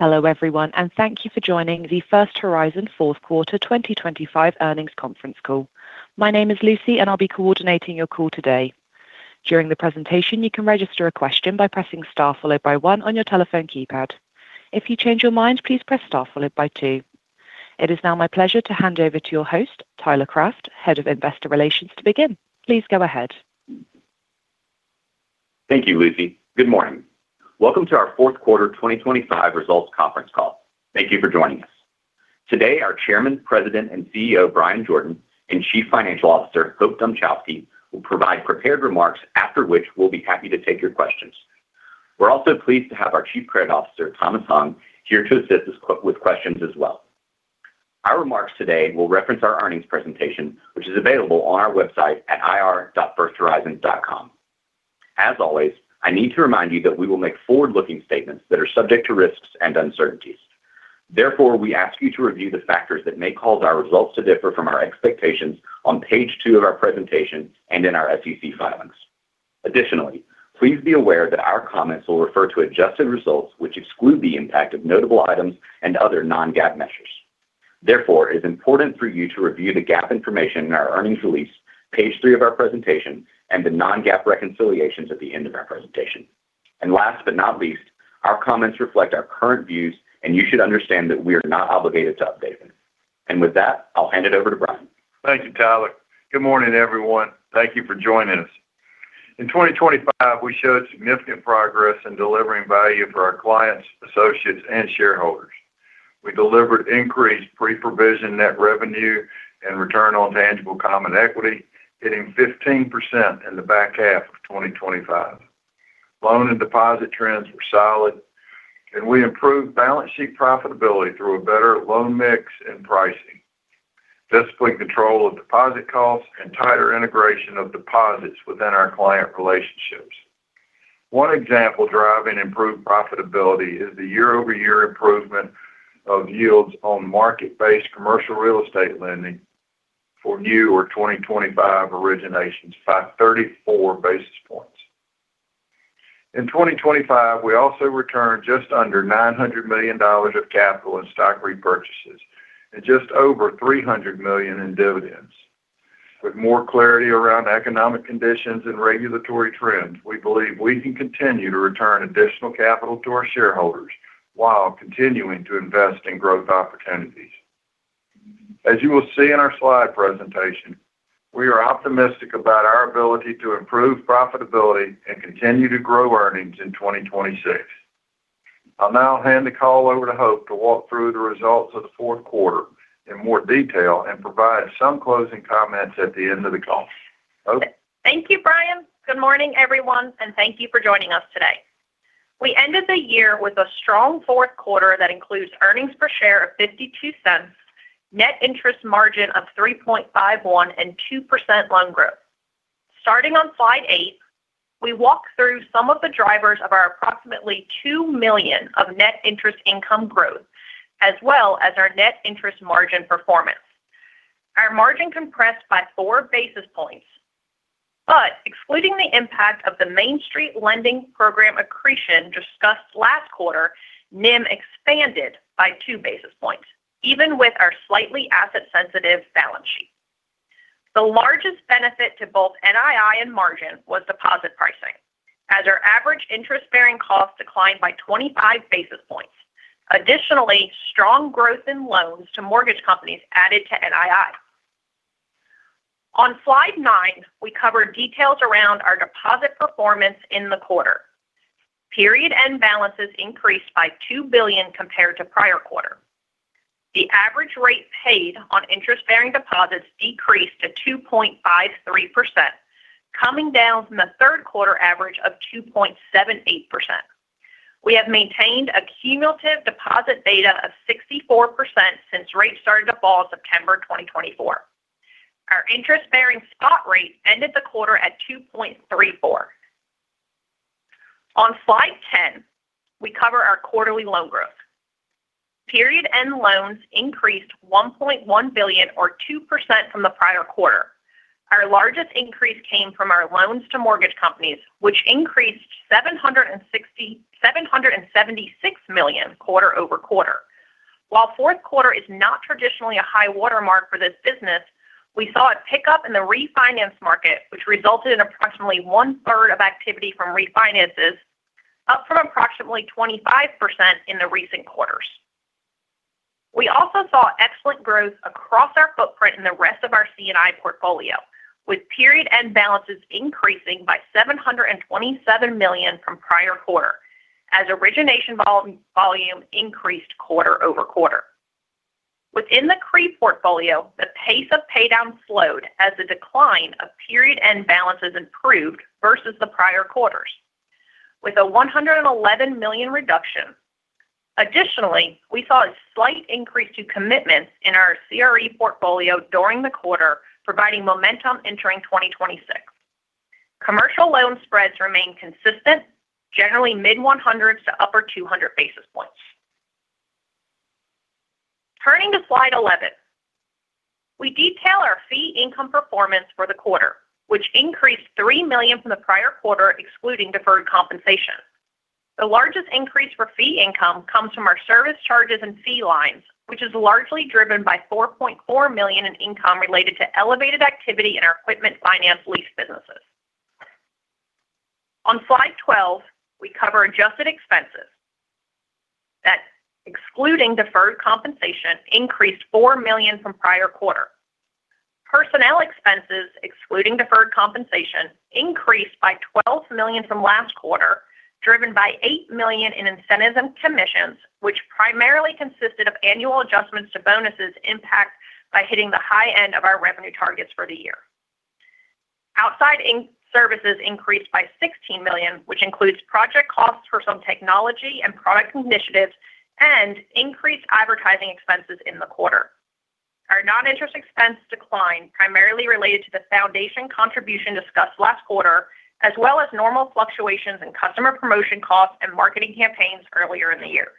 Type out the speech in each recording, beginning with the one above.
Hello, everyone, and thank you for joining the First Horizon Fourth Quarter 2025 earnings conference call. My name is Lucy, and I'll be coordinating your call today. During the presentation, you can register a question by pressing star followed by one on your telephone keypad. If you change your mind, please press star followed by two. It is now my pleasure to hand over to your host, Tyler Craft, Head of Investor Relations, to begin. Please go ahead. Thank you, Lucy. Good morning. Welcome to our Fourth Quarter 2025 results conference call. Thank you for joining us. Today, our Chairman, President, and CEO, Bryan Jordan, and Chief Financial Officer, Hope Dmuchowski, will provide prepared remarks, after which we'll be happy to take your questions. We're also pleased to have our Chief Credit Officer, Thomas Hung, here to assist us with questions as well. Our remarks today will reference our earnings presentation, which is available on our website at ir.firsthorizon.com. As always, I need to remind you that we will make forward-looking statements that are subject to risks and uncertainties. Therefore, we ask you to review the factors that may cause our results to differ from our expectations on page two of our presentation and in our SEC filings. Additionally, please be aware that our comments will refer to adjusted results, which exclude the impact of notable items and other non-GAAP measures. Therefore, it is important for you to review the GAAP information in our earnings release, page three of our presentation, and the non-GAAP reconciliations at the end of our presentation. And last but not least, our comments reflect our current views, and you should understand that we are not obligated to update them. And with that, I'll hand it over to Bryan. Thank you, Tyler. Good morning, everyone. Thank you for joining us. In 2025, we showed significant progress in delivering value for our clients, associates, and shareholders. We delivered increased pre-provision net revenue and return on tangible common equity, hitting 15% in the back half of 2025. Loan and deposit trends were solid, and we improved balance sheet profitability through a better loan mix and pricing, disciplined control of deposit costs, and tighter integration of deposits within our client relationships. One example driving improved profitability is the year-over-year improvement of yields on market-based commercial real estate lending for new or 2025 originations by 34 basis points. In 2025, we also returned just under $900 million of capital in stock repurchases and just over $300 million in dividends. With more clarity around economic conditions and regulatory trends, we believe we can continue to return additional capital to our shareholders while continuing to invest in growth opportunities. As you will see in our slide presentation, we are optimistic about our ability to improve profitability and continue to grow earnings in 2026. I'll now hand the call over to Hope to walk through the results of the fourth quarter in more detail and provide some closing comments at the end of the call. Hope. Thank you, Brian. Good morning, everyone, and thank you for joining us today. We ended the year with a strong fourth quarter that includes earnings per share of $0.52, net interest margin of 3.51%, and 2% loan growth. Starting on slide eight, we walk through some of the drivers of our approximately $2 million of net interest income growth, as well as our net interest margin performance. Our margin compressed by four basis points, but excluding the impact of the Main Street Lending Program accretion discussed last quarter, NIM expanded by two basis points, even with our slightly asset-sensitive balance sheet. The largest benefit to both NII and margin was deposit pricing, as our average interest-bearing cost declined by 25 basis points. Additionally, strong growth in loans to mortgage companies added to NII. On slide nine, we covered details around our deposit performance in the quarter. Period end balances increased by $2 billion compared to prior quarter. The average rate paid on interest-bearing deposits decreased to 2.53%, coming down from the third quarter average of 2.78%. We have maintained a cumulative deposit beta of 64% since rates started to fall in September 2024. Our interest-bearing spot rate ended the quarter at 2.34. On slide ten, we cover our quarterly loan growth. Period end loans increased $1.1 billion, or 2% from the prior quarter. Our largest increase came from our loans to mortgage companies, which increased $776 million quarter over quarter. While fourth quarter is not traditionally a high watermark for this business, we saw a pickup in the refinance market, which resulted in approximately one-third of activity from refinances, up from approximately 25% in the recent quarters. We also saw excellent growth across our footprint in the rest of our C&I portfolio, with period end balances increasing by $727 million from prior quarter, as origination volume increased quarter over quarter. Within the CRE portfolio, the pace of paydown slowed as the decline of period end balances improved versus the prior quarters, with a $111 million reduction. Additionally, we saw a slight increase to commitments in our CRE portfolio during the quarter, providing momentum entering 2026. Commercial loan spreads remained consistent, generally mid-100s to upper 200 basis points. Turning to slide 11, we detail our fee income performance for the quarter, which increased $3 million from the prior quarter, excluding deferred compensation. The largest increase for fee income comes from our service charges and fee lines, which is largely driven by $4.4 million in income related to elevated activity in our equipment finance lease businesses. On slide 12, we cover adjusted expenses that, excluding deferred compensation, increased $4 million from prior quarter. Personnel expenses, excluding deferred compensation, increased by $12 million from last quarter, driven by $8 million in incentives and commissions, which primarily consisted of annual adjustments to bonuses impacted by hitting the high end of our revenue targets for the year. Outside services increased by $16 million, which includes project costs for some technology and product initiatives and increased advertising expenses in the quarter. Our non-interest expense declined primarily related to the foundation contribution discussed last quarter, as well as normal fluctuations in customer promotion costs and marketing campaigns earlier in the year.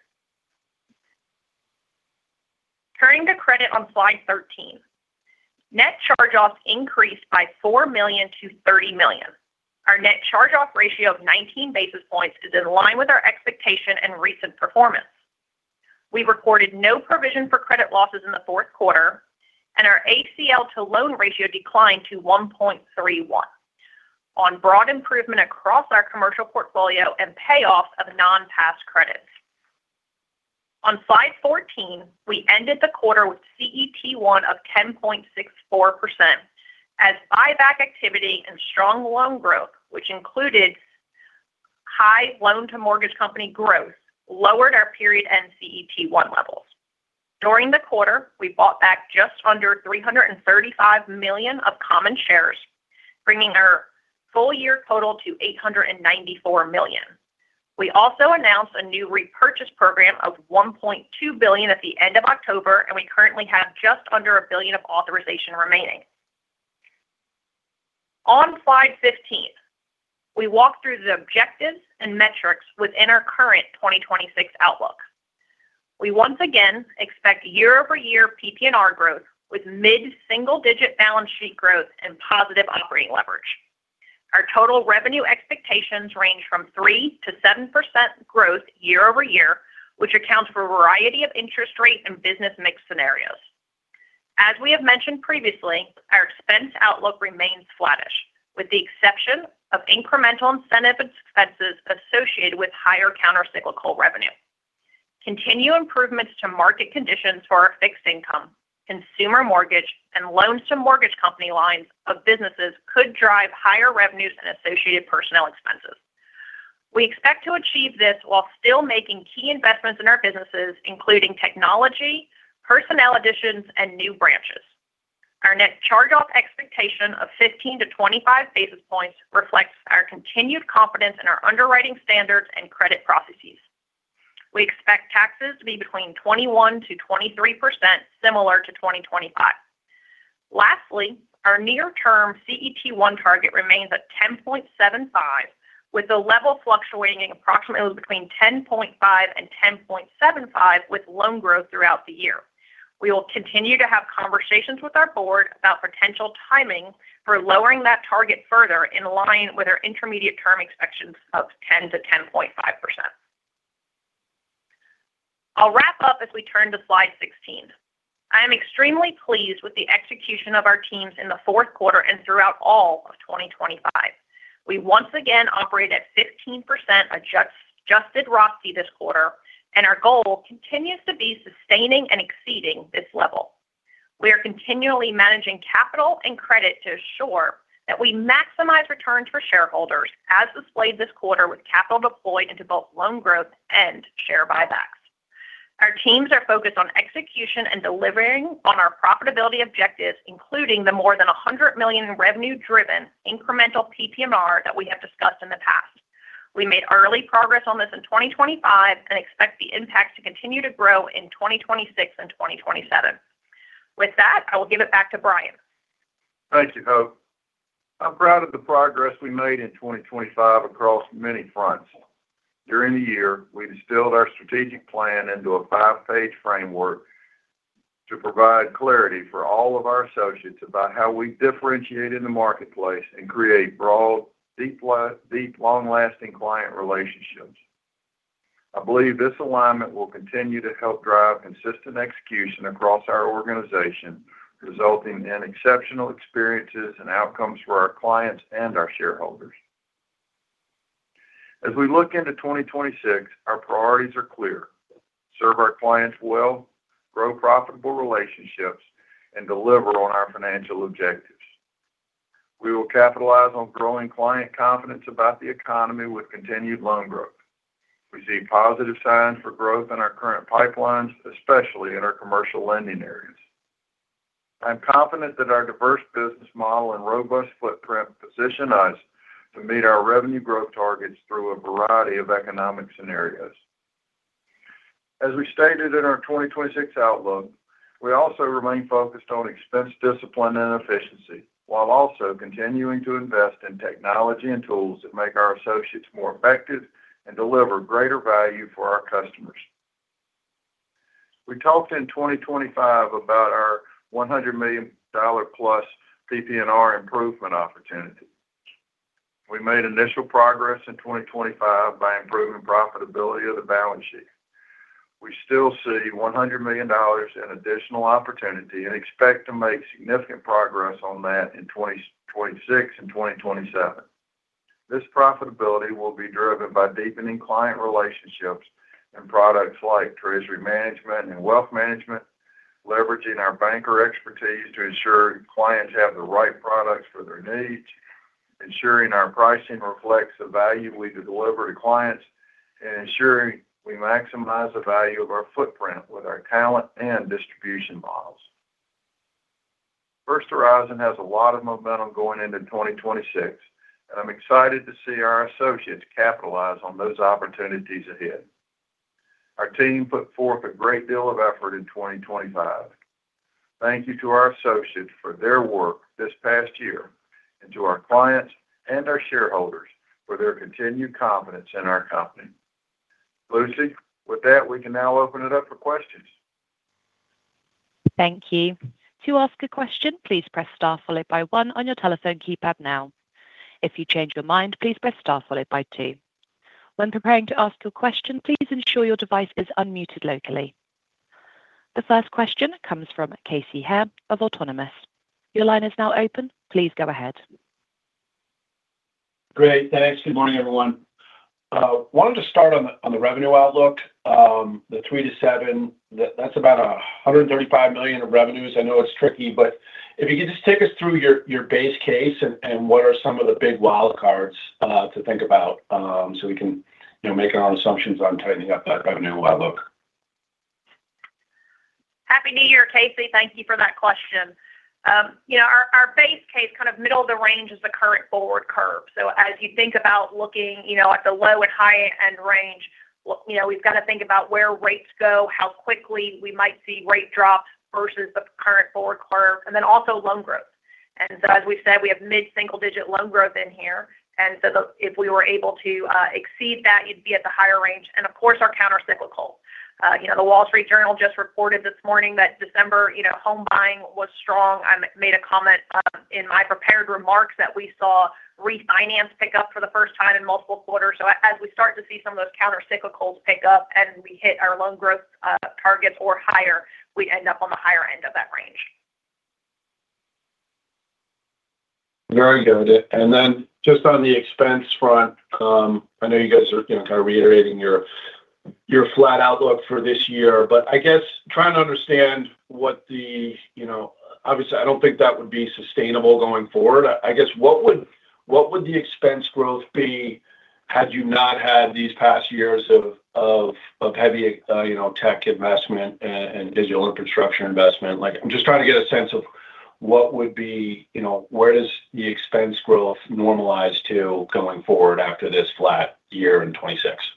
Turning to credit on slide 13, net charge-offs increased by $4 million to $30 million. Our net charge-off ratio of 19 basis points is in line with our expectation and recent performance. We recorded no provision for credit losses in the fourth quarter, and our ACL to loan ratio declined to 1.31, on broad improvement across our commercial portfolio and payoffs of non-passed credits. On slide 14, we ended the quarter with CET1 of 10.64%, as buyback activity and strong loan growth, which included high loan-to-mortgage company growth, lowered our period end CET1 levels. During the quarter, we bought back just under $335 million of common shares, bringing our full year total to $894 million. We also announced a new repurchase program of $1.2 billion at the end of October, and we currently have just under a billion of authorization remaining. On slide 15, we walk through the objectives and metrics within our current 2026 outlook. We once again expect year-over-year PPNR growth with mid-single-digit balance sheet growth and positive operating leverage. Our total revenue expectations range from 3%-7% growth year-over-year, which accounts for a variety of interest rate and business mix scenarios. As we have mentioned previously, our expense outlook remains flattish, with the exception of incremental incentive expenses associated with higher countercyclical revenue. Continued improvements to market conditions for our fixed income, consumer mortgage, and loans-to-mortgage company lines of businesses could drive higher revenues and associated personnel expenses. We expect to achieve this while still making key investments in our businesses, including technology, personnel additions, and new branches. Our net charge-off expectation of 15 to 25 basis points reflects our continued confidence in our underwriting standards and credit processes. We expect taxes to be between 21% to 23%, similar to 2025. Lastly, our near-term CET1 target remains at 10.75, with the level fluctuating approximately between 10.5 and 10.75 with loan growth throughout the year. We will continue to have conversations with our board about potential timing for lowering that target further in line with our intermediate-term expectations of 10%-10.5%. I'll wrap up as we turn to slide 16. I am extremely pleased with the execution of our teams in the fourth quarter and throughout all of 2025. We once again operated at 15% adjusted ROSCI this quarter, and our goal continues to be sustaining and exceeding this level. We are continually managing capital and credit to ensure that we maximize returns for shareholders, as displayed this quarter with capital deployed into both loan growth and share buybacks. Our teams are focused on execution and delivering on our profitability objectives, including the more than $100 million in revenue-driven incremental PPNR that we have discussed in the past. We made early progress on this in 2025 and expect the impact to continue to grow in 2026 and 2027. With that, I will give it back to Brian. Thank you, Hope. I'm proud of the progress we made in 2025 across many fronts. During the year, we distilled our strategic plan into a five-page framework to provide clarity for all of our associates about how we differentiate in the marketplace and create broad, deep, long-lasting client relationships. I believe this alignment will continue to help drive consistent execution across our organization, resulting in exceptional experiences and outcomes for our clients and our shareholders. As we look into 2026, our priorities are clear: serve our clients well, grow profitable relationships, and deliver on our financial objectives. We will capitalize on growing client confidence about the economy with continued loan growth. We see positive signs for growth in our current pipelines, especially in our commercial lending areas. I'm confident that our diverse business model and robust footprint position us to meet our revenue growth targets through a variety of economic scenarios. As we stated in our 2026 outlook, we also remain focused on expense discipline and efficiency, while also continuing to invest in technology and tools that make our associates more effective and deliver greater value for our customers. We talked in 2025 about our $100 million-plus PPNR improvement opportunity. We made initial progress in 2025 by improving profitability of the balance sheet. We still see $100 million in additional opportunity and expect to make significant progress on that in 2026 and 2027. This profitability will be driven by deepening client relationships and products like treasury management and wealth management, leveraging our banker expertise to ensure clients have the right products for their needs, ensuring our pricing reflects the value we deliver to clients, and ensuring we maximize the value of our footprint with our talent and distribution models. First Horizon has a lot of momentum going into 2026, and I'm excited to see our associates capitalize on those opportunities ahead. Our team put forth a great deal of effort in 2025. Thank you to our associates for their work this past year and to our clients and our shareholders for their continued confidence in our company. Lucy, with that, we can now open it up for questions. Thank you. To ask a question, please press star followed by one on your telephone keypad now. If you change your mind, please press star followed by two. When preparing to ask your question, please ensure your device is unmuted locally. The first question comes from Casey Haire of Autonomous. Your line is now open. Please go ahead. Great. Thanks. Good morning, everyone. I wanted to start on the revenue outlook, the three to seven. That's about $135 million of revenues. I know it's tricky, but if you could just take us through your base case and what are some of the big wild cards to think about so we can make our own assumptions on tightening up that revenue outlook? Happy New Year, Casey. Thank you for that question. Our base case, middle of the range, is the current forward curve. So as you think about looking at the low and high-end range, we've got to think about where rates go, how quickly we might see rate drops versus the current forward curve, and then also loan growth. And so, as we've said, we have mid-single-digit loan growth in here. And so if we were able to exceed that, you'd be at the higher range. And of course, our countercyclical. The Wall Street Journal just reported this morning that December home buying was strong. I made a comment in my prepared remarks that we saw refinance pick up for the first time in multiple quarters. So as we start to see some of those counter cyclicals pick up and we hit our loan growth targets or higher, we end up on the higher end of that range. Very good. And then just on the expense front, I know you guys are reiterating your flat outlook for this year, but trying to understand what the, obviously, I don't think that would be sustainable going forward. What would the expense growth be had you not had these past years of heavy tech investment and digital infrastructure investment? I'm just trying to get a sense of what would be, where does the expense growth normalize to going forward after this flat year in 2026?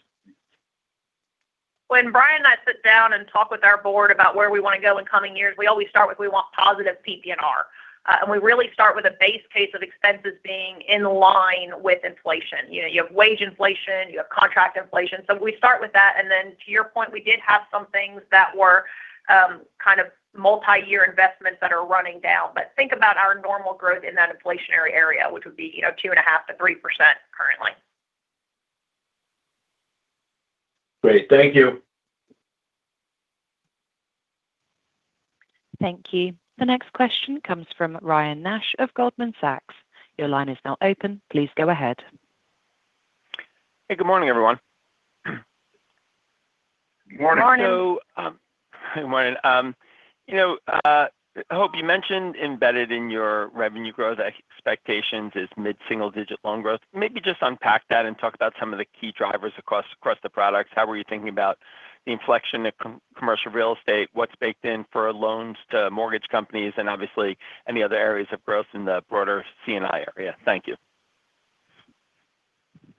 When Brian and I sit down and talk with our board about where we want to go in coming years, we always start with we want positive PPNR. We really start with a base case of expenses being in line with inflation. You have wage inflation, you have contract inflation. We start with that. Then, to your point, we did have some things that were multi-year investments that are running down. Think about our normal growth in that inflationary area, which would be 2.5%-3% currently. Great. Thank you. Thank you. The next question comes from Ryan Nash of Goldman Sachs. Your line is now open. Please go ahead. Hey, good morning, everyone. Good morning. Good morning. Good morning. Hope, you mentioned embedded in your revenue growth expectations is mid-single-digit loan growth. Maybe just unpack that and talk about some of the key drivers across the products. How were you thinking about the inflection of commercial real estate, what's baked in for loans to mortgage companies, and obviously any other areas of growth in the broader C&I area? Thank you.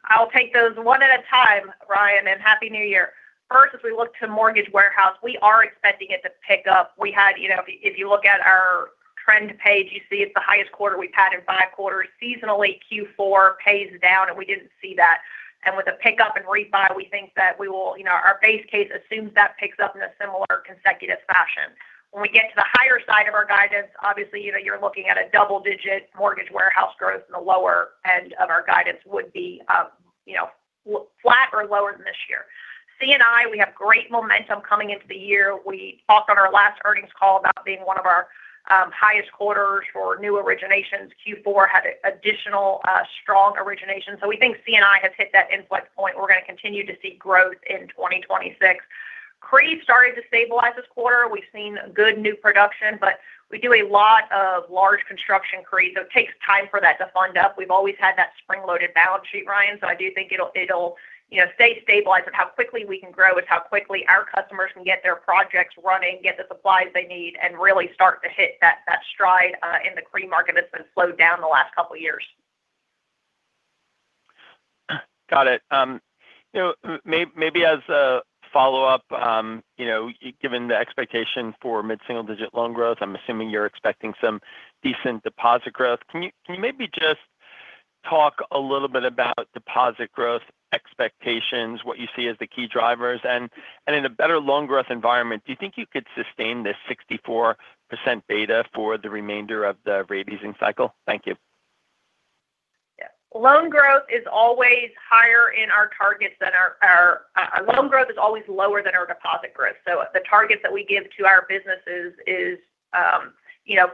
I'll take those one at a time, Ryan, and happy New Year. First, as we look to mortgage warehouse, we are expecting it to pick up. If you look at our trend page, you see it's the highest quarter we've had in five quarters. Seasonally, Q4 pays down, and we didn't see that. And with a pickup and rebound, we think that we will. Our base case assumes that picks up in a similar consecutive fashion. When we get to the higher side of our guidance, obviously, you're looking at a double-digit mortgage warehouse growth, and the lower end of our guidance would be flat or lower than this year. C&I, we have great momentum coming into the year. We talked on our last earnings call about being one of our highest quarters for new originations. Q4 had additional strong originations. So we think C&I has hit that inflection point. We're going to continue to see growth in 2026. CRE started to stabilize this quarter. We've seen good new production, but we do a lot of large construction CRE, so it takes time for that to fund up. We've always had that spring-loaded balance sheet, Ryan. So I do think it'll stay stabilized. But how quickly we can grow is how quickly our customers can get their projects running, get the supplies they need, and really start to hit that stride in the CRE market that's been slowed down the last couple of years. Got it. Maybe as a follow-up, given the expectation for mid-single-digit loan growth, I'm assuming you're expecting some decent deposit growth. Can you maybe just talk a little bit about deposit growth expectations, what you see as the key drivers? And in a better loan growth environment, do you think you could sustain this 64% beta for the remainder of the rate cycle? Thank you. Yeah. Loan growth is always lower than our deposit growth. So the targets that we give to our businesses is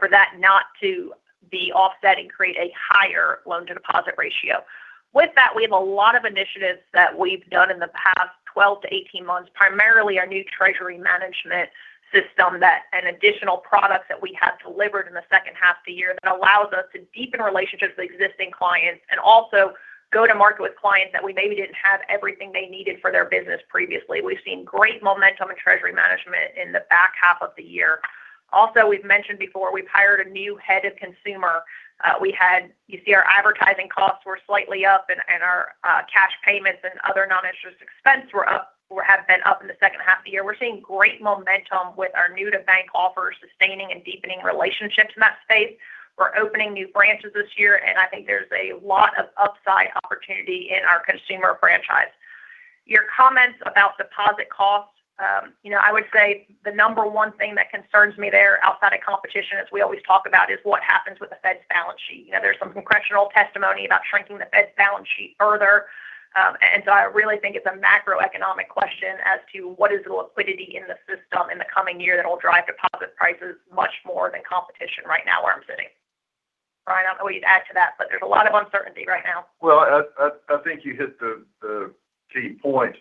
for that not to be offset and create a higher loan-to-deposit ratio. With that, we have a lot of initiatives that we've done in the past 12 to 18 months, primarily our new treasury management system and additional products that we have delivered in the second half of the year that allows us to deepen relationships with existing clients and also go to market with clients that we maybe didn't have everything they needed for their business previously. We've seen great momentum in treasury management in the back half of the year. Also, we've mentioned before, we've hired a new head of consumer. You see our advertising costs were slightly up, and our cash payments and other non-interest expenses have been up in the second half of the year. We're seeing great momentum with our new-to-bank offers, sustaining and deepening relationships in that space. We're opening new branches this year, and there's a lot of upside opportunity in our consumer franchise. Your comments about deposit costs, I would say the number one thing that concerns me there outside of competition, as we always talk about, is what happens with the Fed's balance sheet. There's some congressional testimony about shrinking the Fed's balance sheet further, and so I really think it's a macroeconomic question as to what is the liquidity in the system in the coming year that will drive deposit prices much more than competition right now where I'm sitting. Ryan, I don't know what you'd add to that, but there's a lot of uncertainty right now. You hit the key point.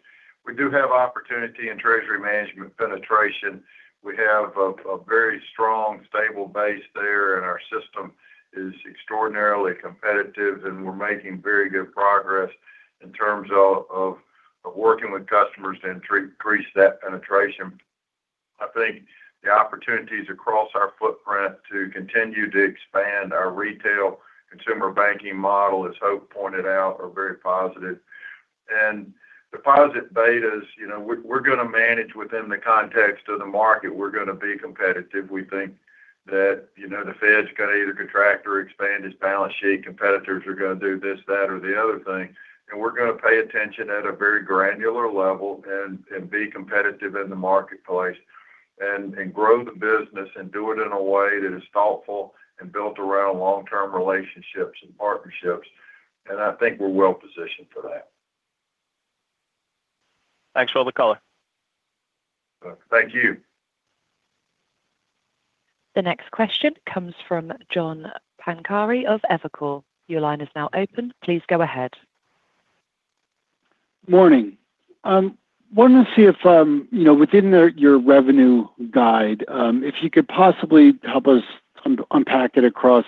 We do have opportunity in Treasury Management penetration. We have a very strong, stable base there, and our system is extraordinarily competitive, and we're making very good progress in terms of working with customers to increase that penetration. The opportunities across our footprint to continue to expand our retail consumer banking model, as Hope pointed out, are very positive. Deposit betas, we're going to manage within the context of the market. We're going to be competitive. We think that the Fed's going to either contract or expand its balance sheet. Competitors are going to do this, that, or the other thing. We're going to pay attention at a very granular level and be competitive in the marketplace and grow the business and do it in a way that is thoughtful and built around long-term relationships and partnerships. We're well positioned for that. Thanks for the color. Thank you. The next question comes from John Pancari of Evercore ISI. Your line is now open. Please go ahead. Morning. I wanted to see if within your revenue guide, if you could possibly help us unpack it across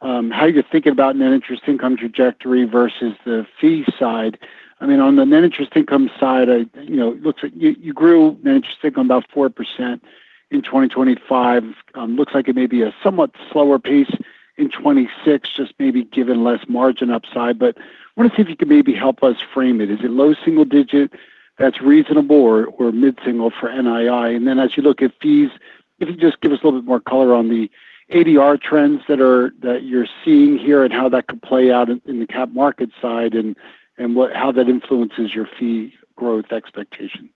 how you're thinking about net interest income trajectory versus the fee side. On the net interest income side, it looks like you grew net interest income about 4% in 2025. Looks like it may be a somewhat slower pace in 2026, just maybe given less margin upside. But I want to see if you could maybe help us frame it. Is it low single digit that's reasonable or mid-single for NII? And then as you look at fees, if you can just give us a little bit more color on the ADR trends that you're seeing here and how that could play out in the capital markets side and how that influences your fee growth expectation.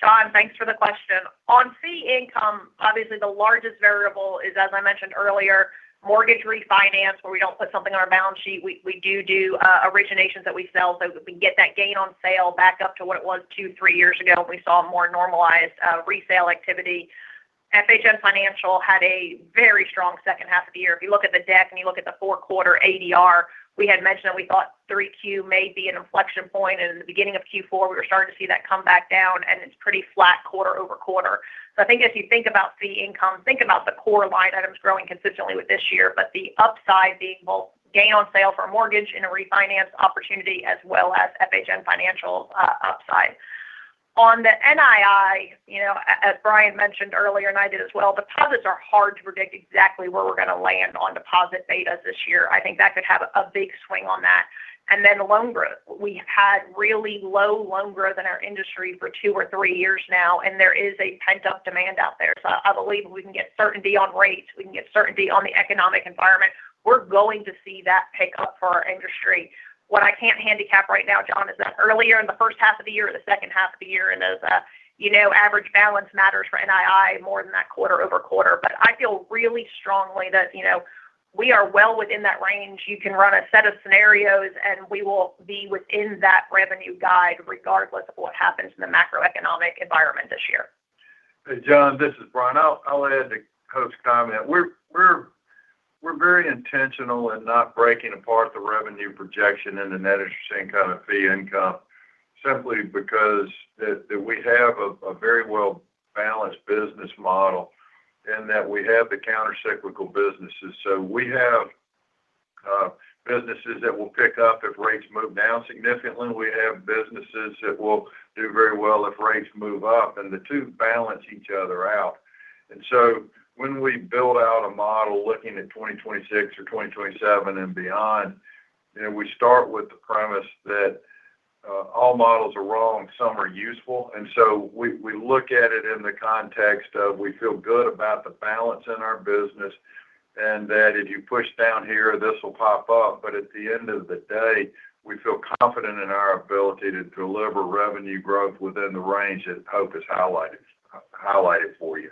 John, thanks for the question. On fee income, obviously the largest variable is, as I mentioned earlier, mortgage refinance, where we don't put something on our balance sheet. We do do originations that we sell, so we get that gain on sale back up to what it was two, three years ago, and we saw more normalized resale activity. FHN Financial had a very strong second half of the year. If you look at the deck and you look at the fourth quarter ADR, we had mentioned that we thought 3Q may be an inflection point. In the beginning of Q4, we were starting to see that come back down, and it's pretty flat quarter over quarter. If you think about fee income, think about the core line items growing consistently with this year, but the upside being both gain on sale for a mortgage and a refinance opportunity as well as FHN Financial upside. On the NII, as Brian mentioned earlier, and I did as well, deposits are hard to predict exactly where we're going to land on deposit betas this year. That could have a big swing on that. And then loan growth. We've had really low loan growth in our industry for two or three years now, and there is a pent-up demand out there. So I believe we can get certainty on rates. We can get certainty on the economic environment. We're going to see that pick up for our industry. What I can't handicap right now, John, is that earlier in the first half of the year or the second half of the year, and those average balance matters for NII more than that quarter over quarter. But I feel really strongly that we are well within that range. You can run a set of scenarios, and we will be within that revenue guide regardless of what happens in the macroeconomic environment this year. John, this is Bryan. I'll add to Hope's comment. We're very intentional in not breaking apart the revenue projection and the net interest income and fee income simply because we have a very well-balanced business model and that we have the countercyclical businesses. So we have businesses that will pick up if rates move down significantly. We have businesses that will do very well if rates move up, and the two balance each other out. And so when we build out a model looking at 2026 or 2027 and beyond, we start with the premise that all models are wrong. Some are useful. And so we look at it in the context of we feel good about the balance in our business and that if you push down here, this will pop up. But at the end of the day, we feel confident in our ability to deliver revenue growth within the range that Hope has highlighted for you.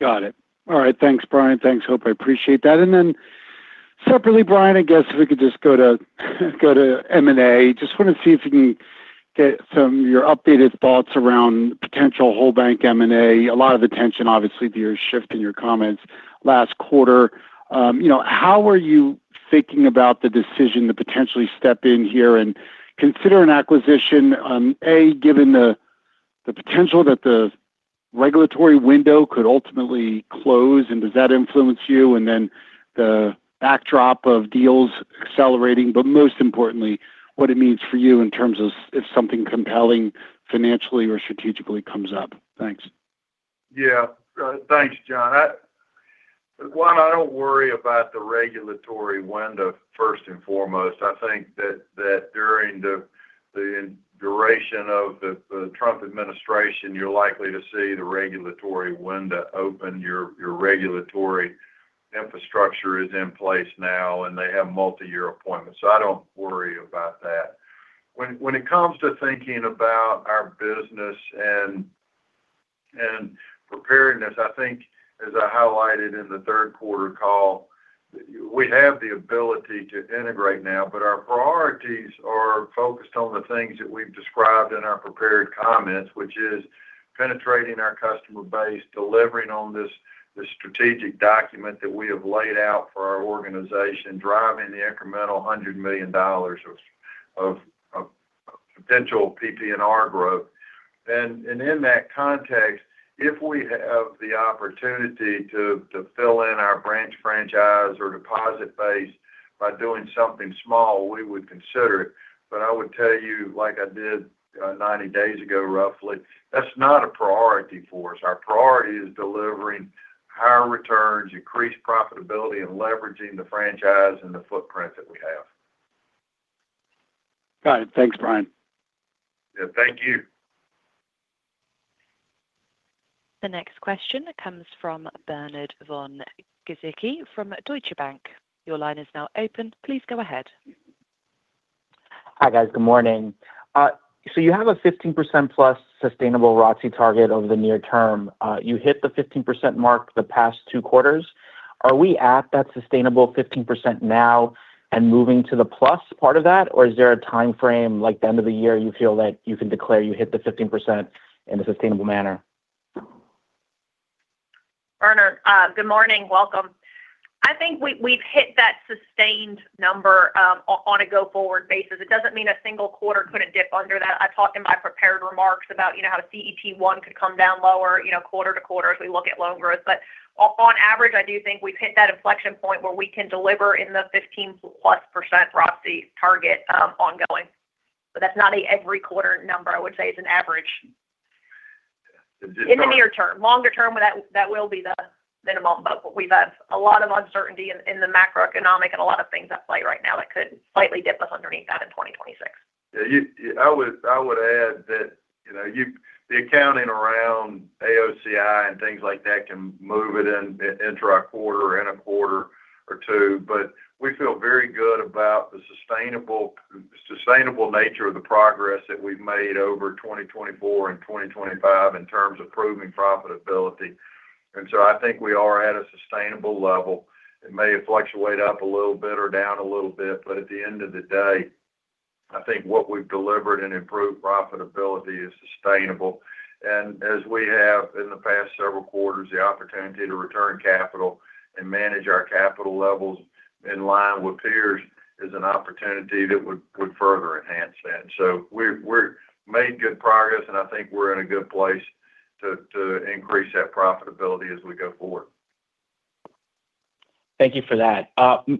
Got it. All right. Thanks, Bryan. Thanks, Hope. I appreciate that. And then separately, Brian, if we could just go to M&A. Just want to see if you can get some of your updated thoughts around potential whole bank M&A. A lot of attention, obviously, to your shift in your comments last quarter. How are you thinking about the decision to potentially step in here and consider an acquisition, A, given the potential that the regulatory window could ultimately close? And does that influence you? And then the backdrop of deals accelerating, but most importantly, what it means for you in terms of if something compelling financially or strategically comes up? Thanks. Yeah. Thanks, John. One, I don't worry about the regulatory window first and foremost. During the duration of the Trump administration, you're likely to see the regulatory window open. Your regulatory infrastructure is in place now, and they have multi-year appointments. So I don't worry about that. When it comes to thinking about our business and preparedness as I highlighted in the third quarter call, we have the ability to integrate now, but our priorities are focused on the things that we've described in our prepared comments, which is penetrating our customer base, delivering on this strategic document that we have laid out for our organization, driving the incremental $100 million of potential PPNR growth, and in that context, if we have the opportunity to fill in our branch franchise or deposit base by doing something small, we would consider it. But I would tell you, like I did 90 days ago, roughly, that's not a priority for us. Our priority is delivering higher returns, increased profitability, and leveraging the franchise and the footprint that we have. Got it. Thanks, Bryan. Yeah. Thank you. The next question comes from Bernard von Gizycki from Deutsche Bank. Your line is now open. Please go ahead. Hi, guys. Good morning. So you have a 15% plus sustainable ROCI target over the near term. You hit the 15% mark the past two quarters. Are we at that sustainable 15% now and moving to the plus part of that, or is there a timeframe like the end of the year you feel that you can declare you hit the 15% in a sustainable manner? Bernard, good morning. Welcome. We've hit that sustained number on a go-forward basis. It doesn't mean a single quarter couldn't dip under that. I talked in my prepared remarks about how CET1 could come down lower quarter to quarter as we look at loan growth. But on average, I do think we've hit that inflection point where we can deliver in the 15+% ROTCE target ongoing. But that's not an every quarter number, I would say, as an average. In the near term. Longer term, that will be the minimum. But we have a lot of uncertainty in the macroeconomic and a lot of things at play right now that could slightly dip us underneath that in 2026. Yeah. I would add that the accounting around AOCI and things like that can move it into our quarter or in a quarter or two, but we feel very good about the sustainable nature of the progress that we've made over 2024 and 2025 in terms of proving profitability, and so we are at a sustainable level. It may have fluctuated up a little bit or down a little bit, but at the end of the day, what we've delivered and improved profitability is sustainable, and as we have in the past several quarters, the opportunity to return capital and manage our capital levels in line with peers is an opportunity that would further enhance that, so we've made good progress, and we're in a good place to increase that profitability as we go forward. Thank you for that.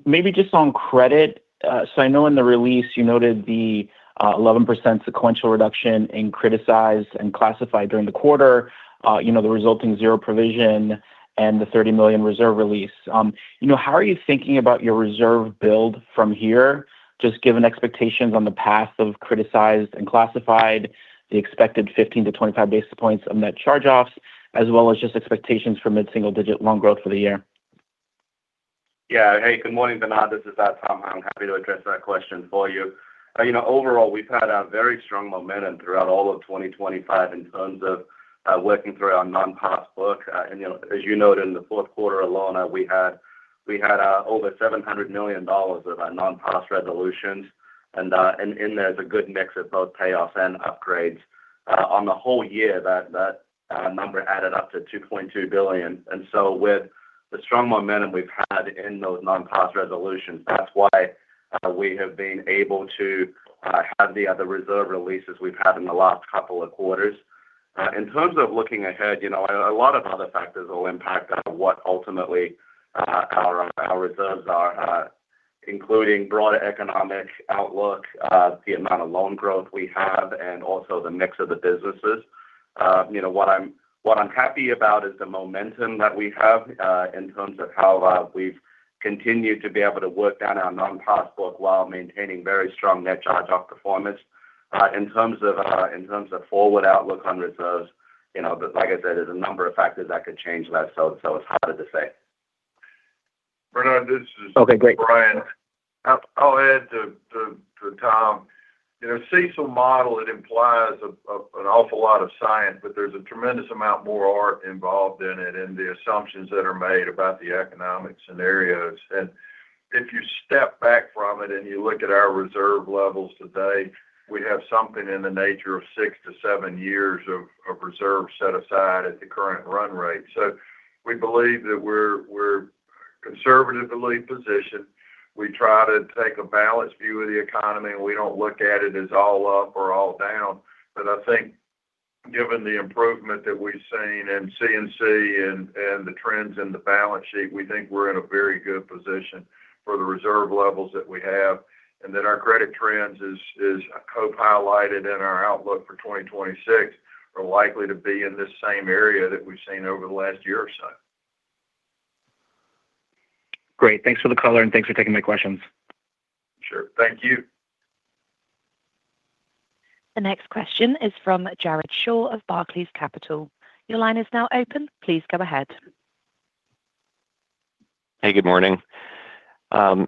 Maybe just on credit. So I know in the release you noted the 11% sequential reduction in criticized and classified during the quarter, the resulting zero provision, and the $30 million reserve release. How are you thinking about your reserve build from here, just given expectations on the path of criticized and classified, the expected 15-25 basis points of net charge-offs, as well as just expectations for mid-single digit loan growth for the year? Yeah. Hey, good morning, Bernard. This is Thomas Hung. Happy to address that question for you. Overall, we've had a very strong momentum throughout all of 2025 in terms of working through our non-pass book. And as you noted, in the fourth quarter alone, we had over $700 million of our non-pass resolutions. And in there, there's a good mix of both payoffs and upgrades. On the whole year, that number added up to $2.2 billion. And so with the strong momentum we've had in those non-pass resolutions, that's why we have been able to have the reserve releases we've had in the last couple of quarters. In terms of looking ahead, a lot of other factors will impact what ultimately our reserves are, including broader economic outlook, the amount of loan growth we have, and also the mix of the businesses. What I'm happy about is the momentum that we have in terms of how we've continued to be able to work down our non-pass book while maintaining very strong net charge-off performance. In terms of forward outlook on reserves, like I said, there's a number of factors that could change that, so it's harder to say. Bernard, this is Brian. Okay. Great. I'll add to Tom. CECL model implies an awful lot of science, but there's a tremendous amount more art involved in it and the assumptions that are made about the economic scenarios, and if you step back from it and you look at our reserve levels today, we have something in the nature of six to seven years of reserve set aside at the current run rate, so we believe that we're conservatively positioned. We try to take a balanced view of the economy, and we don't look at it as all up or all down, but given the improvement that we've seen in CNC and the trends in the balance sheet, we think we're in a very good position for the reserve levels that we have. Our credit trends, as Hope highlighted in our outlook for 2026, are likely to be in this same area that we've seen over the last year or so. Great. Thanks for the call, and thanks for taking my questions. Sure. Thank you. The next question is from Jared Shaw of Barclays Capital. Your line is now open. Please go ahead. Hey, good morning.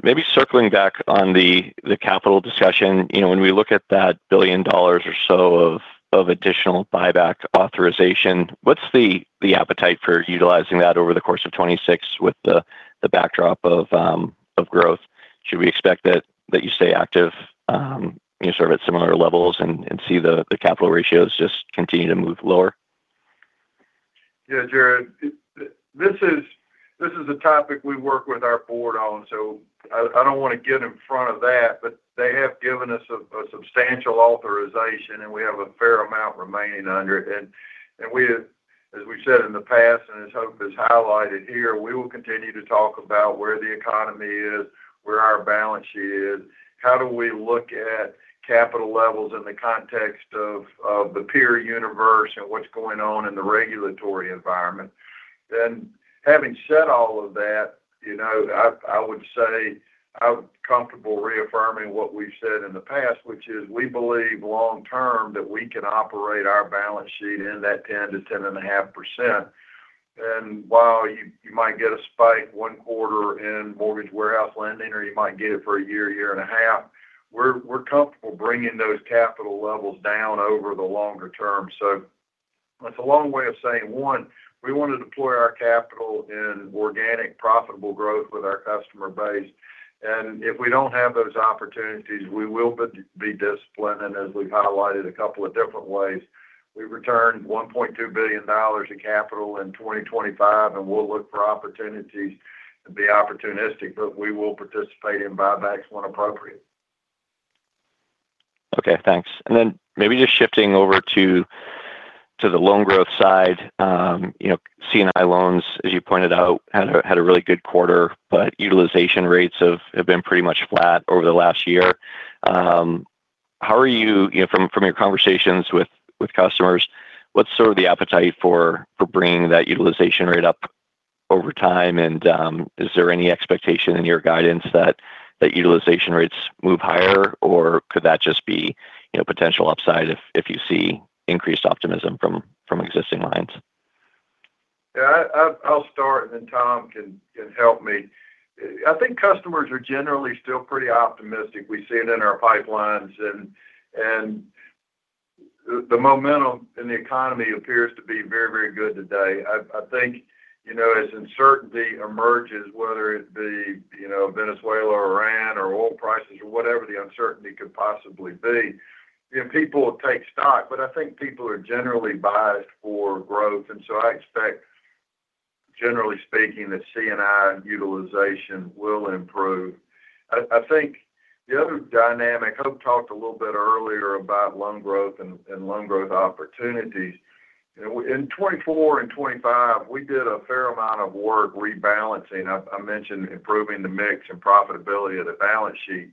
Maybe circling back on the capital discussion, when we look at that $1 billion or so of additional buyback authorization, what's the appetite for utilizing that over the course of 2026 with the backdrop of growth? Should we expect that you stay active at similar levels and see the capital ratios just continue to move lower? Yeah, Jared, this is a topic we work with our board on, so I don't want to get in front of that. But they have given us a substantial authorization, and we have a fair amount remaining under it. And as we've said in the past, and as Hope has highlighted here, we will continue to talk about where the economy is, where our balance sheet is, how do we look at capital levels in the context of the peer universe and what's going on in the regulatory environment. And having said all of that, I would say I'm comfortable reaffirming what we've said in the past, which is we believe long-term that we can operate our balance sheet in that 10%-10.5%. While you might get a spike one quarter in mortgage warehouse lending, or you might get it for a year, year and a half, we're comfortable bringing those capital levels down over the longer term. It's a long way of saying, one, we want to deploy our capital in organic, profitable growth with our customer base. If we don't have those opportunities, we will be disciplined. As we've highlighted a couple of different ways, we've returned $1.2 billion in capital in 2025, and we'll look for opportunities to be opportunistic, but we will participate in buybacks when appropriate. Okay. Thanks. And then maybe just shifting over to the loan growth side, C&I loans, as you pointed out, had a really good quarter, but utilization rates have been pretty much flat over the last year. How are you, from your conversations with customers, what's the appetite for bringing that utilization rate up over time? And is there any expectation in your guidance that utilization rates move higher, or could that just be potential upside if you see increased optimism from existing lines? Yeah. I'll start, and then Tom can help me. Customers are generally still pretty optimistic. We see it in our pipelines, and the momentum in the economy appears to be very, very good today. As uncertainty emerges, whether it be Venezuela or Iran or oil prices or whatever the uncertainty could possibly be, people will take stock. People are generally biased for growth. And so I expect, generally speaking, that C&I utilization will improve. The other dynamic, Hope talked a little bit earlier about loan growth and loan growth opportunities. In 2024 and 2025, we did a fair amount of work rebalancing. I mentioned improving the mix and profitability of the balance sheet.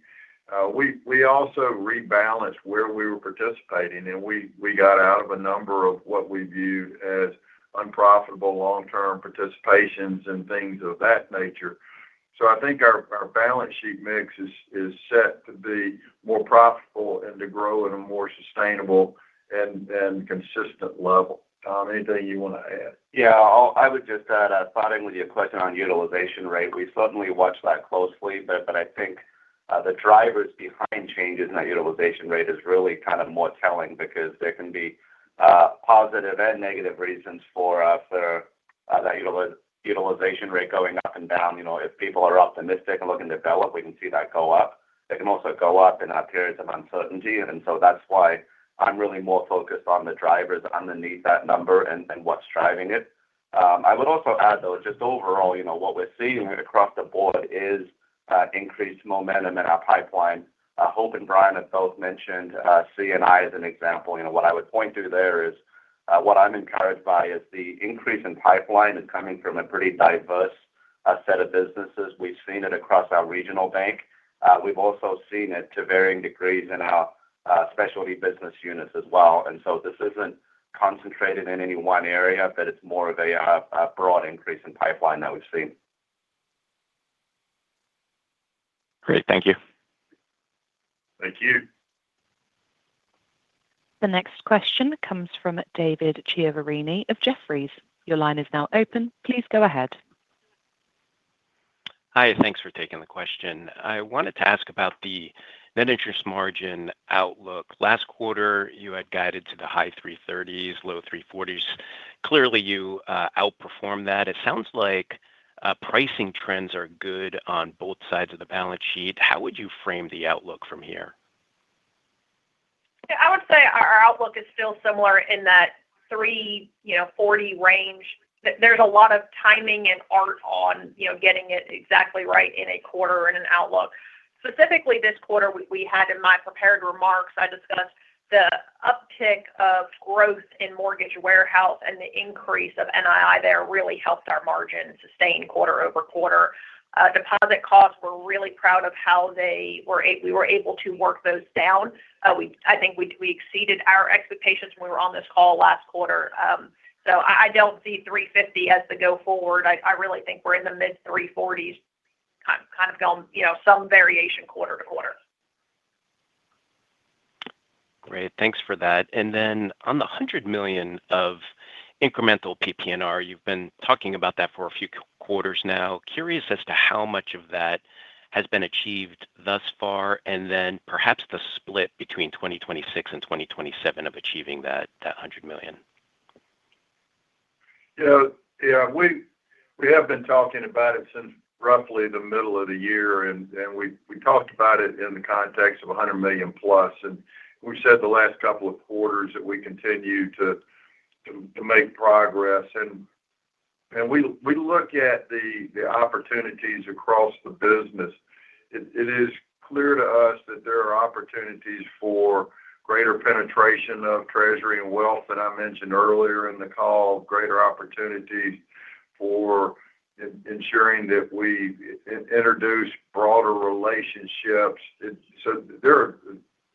We also rebalanced where we were participating, and we got out of a number of what we viewed as unprofitable long-term participations and things of that nature. Our balance sheet mix is set to be more profitable and to grow at a more sustainable and consistent level. Tom, anything you want to add? Yeah. I would just add, starting with your question on utilization rate, we certainly watch that closely. But the drivers behind changes in that utilization rate is really more telling because there can be positive and negative reasons for that utilization rate going up and down. If people are optimistic and looking to develop, we can see that go up. It can also go up in our periods of uncertainty. And so that's why I'm really more focused on the drivers underneath that number and what's driving it. I would also add, though, just overall, what we're seeing across the board is increased momentum in our pipeline. Hope and Brian have both mentioned C&I as an example. What I would point to there is what I'm encouraged by is the increase in pipeline is coming from a pretty diverse set of businesses. We've seen it across our regional bank. We've also seen it to varying degrees in our specialty business units as well, and so this isn't concentrated in any one area, but it's more of a broad increase in pipeline that we've seen. Great. Thank you. Thank you. The next question comes from David Chiaverini of Jefferies. Your line is now open. Please go ahead. Hi. Thanks for taking the question. I wanted to ask about the net interest margin outlook. Last quarter, you had guided to the high 330s, low 340s. Clearly, you outperformed that. It sounds like pricing trends are good on both sides of the balance sheet. How would you frame the outlook from here? Yeah. I would say our outlook is still similar in that 340 range. There's a lot of timing and art on getting it exactly right in a quarter and an outlook. Specifically, this quarter, we had in my prepared remarks, I discussed the uptick of growth in mortgage warehouse and the increase of NII there really helped our margin sustain quarter over quarter. Deposit costs, we're really proud of how we were able to work those down. We exceeded our expectations when we were on this call last quarter, so I don't see 350 as the go-forward. I really think we're in the mid-340s, some variation quarter to quarter. Great. Thanks for that, and then on the $100 million of incremental PPNR, you've been talking about that for a few quarters now. Curious as to how much of that has been achieved thus far, and then perhaps the split between 2026 and 2027 of achieving that $100 million. Yeah. We have been talking about it since roughly the middle of the year, and we talked about it in the context of $100 million plus. And we've said the last couple of quarters that we continue to make progress. And we look at the opportunities across the business. It is clear to us that there are opportunities for greater penetration of Treasury and wealth that I mentioned earlier in the call, greater opportunities for ensuring that we introduce broader relationships. So there are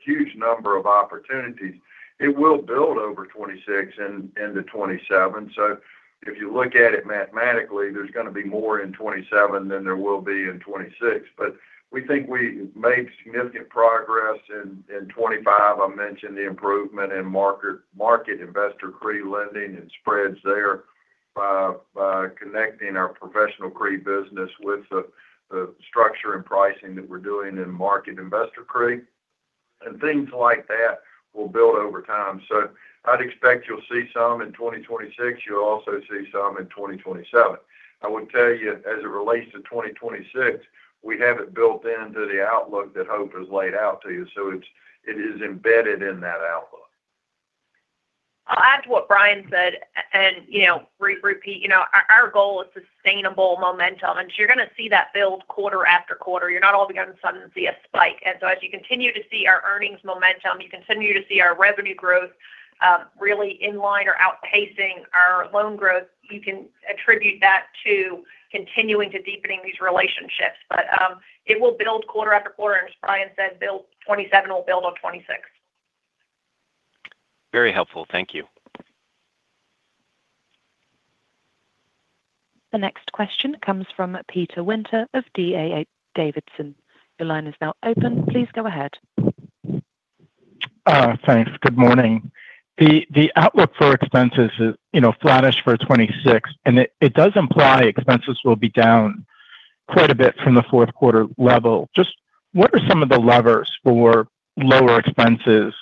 a huge number of opportunities. It will build over 2026 into 2027. So if you look at it mathematically, there's going to be more in 2027 than there will be in 2026. But we think we've made significant progress in 2025. I mentioned the improvement in mortgage investor CRE lending and spreads there by connecting our professional CRE business with the structure and pricing that we're doing in mortgage investor CRE. And things like that will build over time. So I'd expect you'll see some in 2026. You'll also see some in 2027. I would tell you, as it relates to 2026, we have it built into the outlook that Hope has laid out to you. So it is embedded in that outlook. I'll add to what Brian said and repeat. Our goal is sustainable momentum. And you're going to see that build quarter after quarter. You're not all of a sudden going to see a spike. And so as you continue to see our earnings momentum, you continue to see our revenue growth really in line or outpacing our loan growth, you can attribute that to continuing to deepen these relationships. But it will build quarter after quarter. And as Brian said, 2027 will build on 2026. Very helpful. Thank you. The next question comes from Peter Winter of D.A. Davidson. Your line is now open. Please go ahead. Thanks. Good morning. The outlook for expenses is flattish for 2026, and it does imply expenses will be down quite a bit from the fourth quarter level. Just what are some of the levers for lower expenses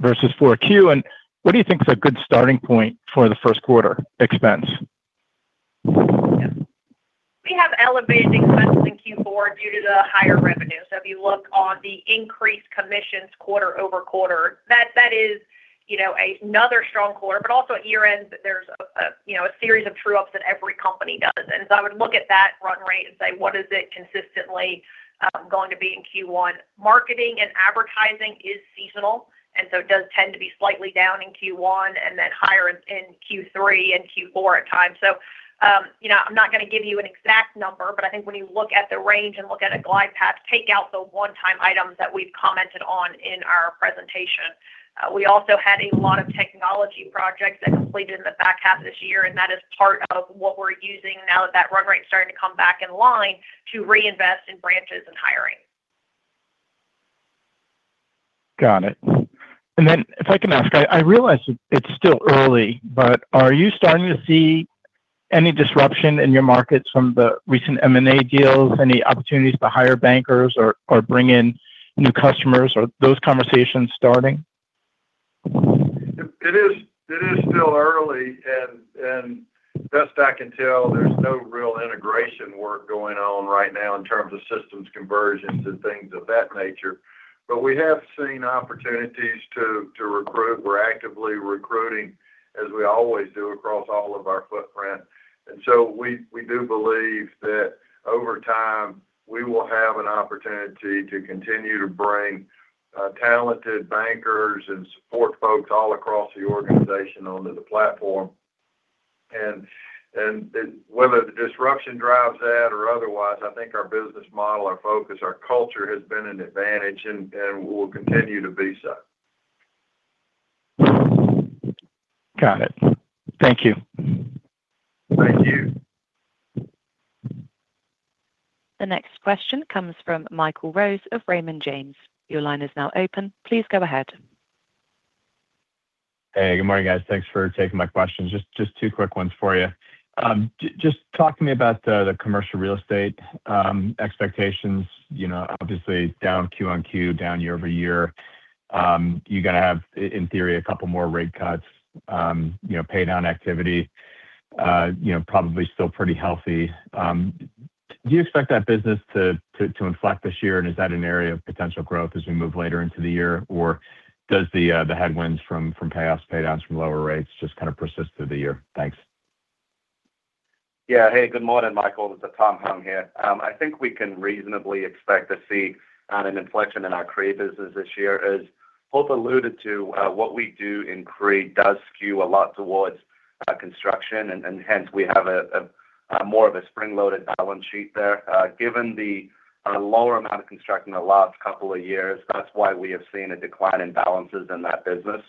versus Q4, and what do you think is a good starting point for the first quarter expense? We have elevated expenses in Q4 due to the higher revenue. So if you look on the increased commissions quarter over quarter, that is another strong quarter. But also at year-end, there's a series of true-ups that every company does. And so I would look at that run rate and say, what is it consistently going to be in Q1? Marketing and advertising is seasonal, and so it does tend to be slightly down in Q1 and then higher in Q3 and Q4 at times. So I'm not going to give you an exact number, but when you look at the range and look at a glide path, take out the one-time items that we've commented on in our presentation. We also had a lot of technology projects that completed in the back half of this year, and that is part of what we're using now that that run rate is starting to come back in line to reinvest in branches and hiring. Got it. And then if I can ask, I realize it's still early, but are you starting to see any disruption in your markets from the recent M&A deals, any opportunities to hire bankers or bring in new customers, or are those conversations starting? It is still early, and best I can tell, there's no real integration work going on right now in terms of systems conversions and things of that nature. But we have seen opportunities to recruit. We're actively recruiting, as we always do, across all of our footprint. And so we do believe that over time, we will have an opportunity to continue to bring talented bankers and support folks all across the organization onto the platform. And whether the disruption drives that or otherwise, our business model, our focus, our culture has been an advantage and will continue to be so. Got it. Thank you. Thank you. The next question comes from Michael Rose of Raymond James. Your line is now open. Please go ahead. Hey, good morning, guys. Thanks for taking my questions. Just two quick ones for you. Just talk to me about the commercial real estate expectations. Obviously, down Q on Q, down year over year. You're going to have, in theory, a couple more rate cuts, pay down activity, probably still pretty healthy. Do you expect that business to inflect this year, and is that an area of potential growth as we move later into the year, or does the headwinds from payoffs, pay downs from lower rates just persist through the year? Thanks. Yeah. Hey, good morning, Michael. This is Tom Hung here. We can reasonably expect to see an inflection in our CRE business this year. As Hope alluded to, what we do in CRE does skew a lot towards construction, and hence we have more of a spring-loaded balance sheet there. Given the lower amount of construction the last couple of years, that's why we have seen a decline in balances in that business.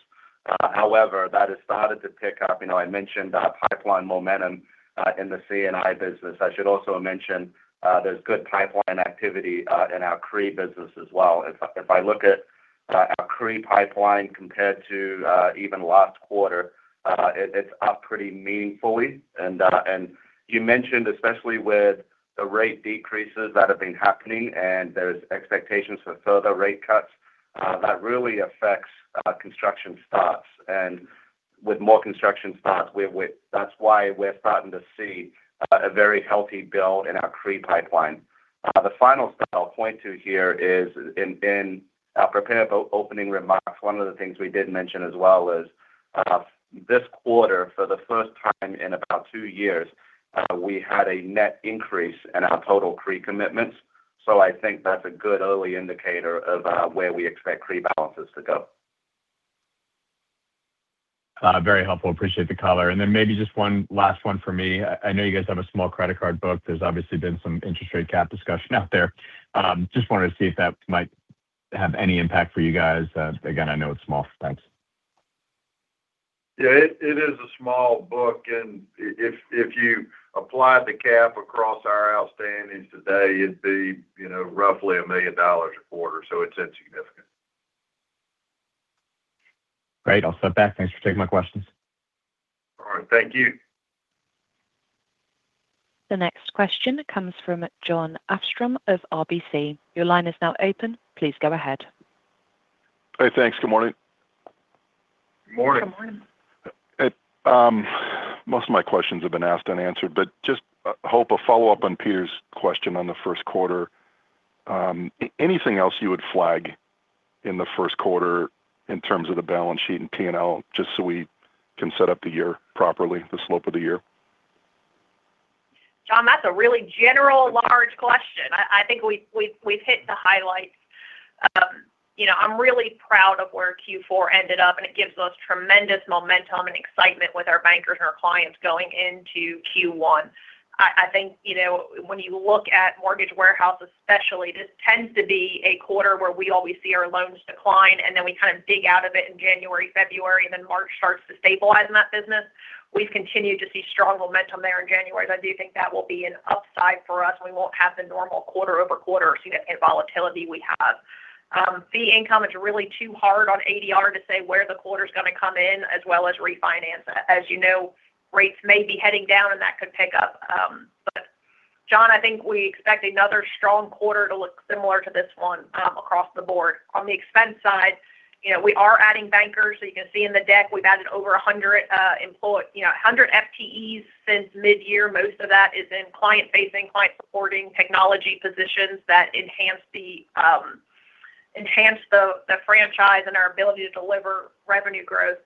However, that has started to pick up. I mentioned pipeline momentum in the C&I business. I should also mention there's good pipeline activity in our CRE business as well. If I look at our CRE pipeline compared to even last quarter, it's up pretty meaningfully, and you mentioned, especially with the rate decreases that have been happening, and there's expectations for further rate cuts, that really affects construction starts. With more construction starts, that's why we're starting to see a very healthy build in our CRE pipeline. The final step I'll point to here is in our prepared opening remarks. One of the things we did mention as well is this quarter, for the first time in about two years, we had a net increase in our total CRE commitments. That's a good early indicator of where we expect CRE balances to go. Very helpful. Appreciate the color. And then maybe just one last one for me. I know you guys have a small credit card book. There's obviously been some interest rate cap discussion out there. Just wanted to see if that might have any impact for you guys. Again, I know it's small. Thanks. Yeah. It is a small book, and if you applied the cap across our outstanding today, it'd be roughly $1 million a quarter. So it's insignificant. Great. I'll step back. Thanks for taking my questions. All right. Thank you. The next question comes from Jon Arfstrom of RBC. Your line is now open. Please go ahead. Hi. Thanks. Good morning. Good morning. Good morning. Most of my questions have been asked and answered, but just Hope, a follow-up on Peter's question on the first quarter. Anything else you would flag in the first quarter in terms of the balance sheet and P&L, just so we can set up the year properly, the slope of the year? Jon, that's a really general, large question. We've hit the highlights. I'm really proud of where Q4 ended up, and it gives us tremendous momentum and excitement with our bankers and our clients going into Q1. When you look at mortgage warehouse, especially, this tends to be a quarter where we always see our loans decline, and then we dig out of it in January, February, and then March starts to stabilize in that business. We've continued to see strong momentum there in January. I do think that will be an upside for us. We won't have the normal quarter over quarter significant volatility we have. Fee income is really too hard to call on ADR to say where the quarter is going to come in, as well as refinance. As you know, rates may be heading down, and that could pick up. But John, we expect another strong quarter to look similar to this one across the board. On the expense side, we are adding bankers. So you can see in the deck, we've added over 100 FTEs since mid-year. Most of that is in client-facing, client-supporting technology positions that enhance the franchise and our ability to deliver revenue growth.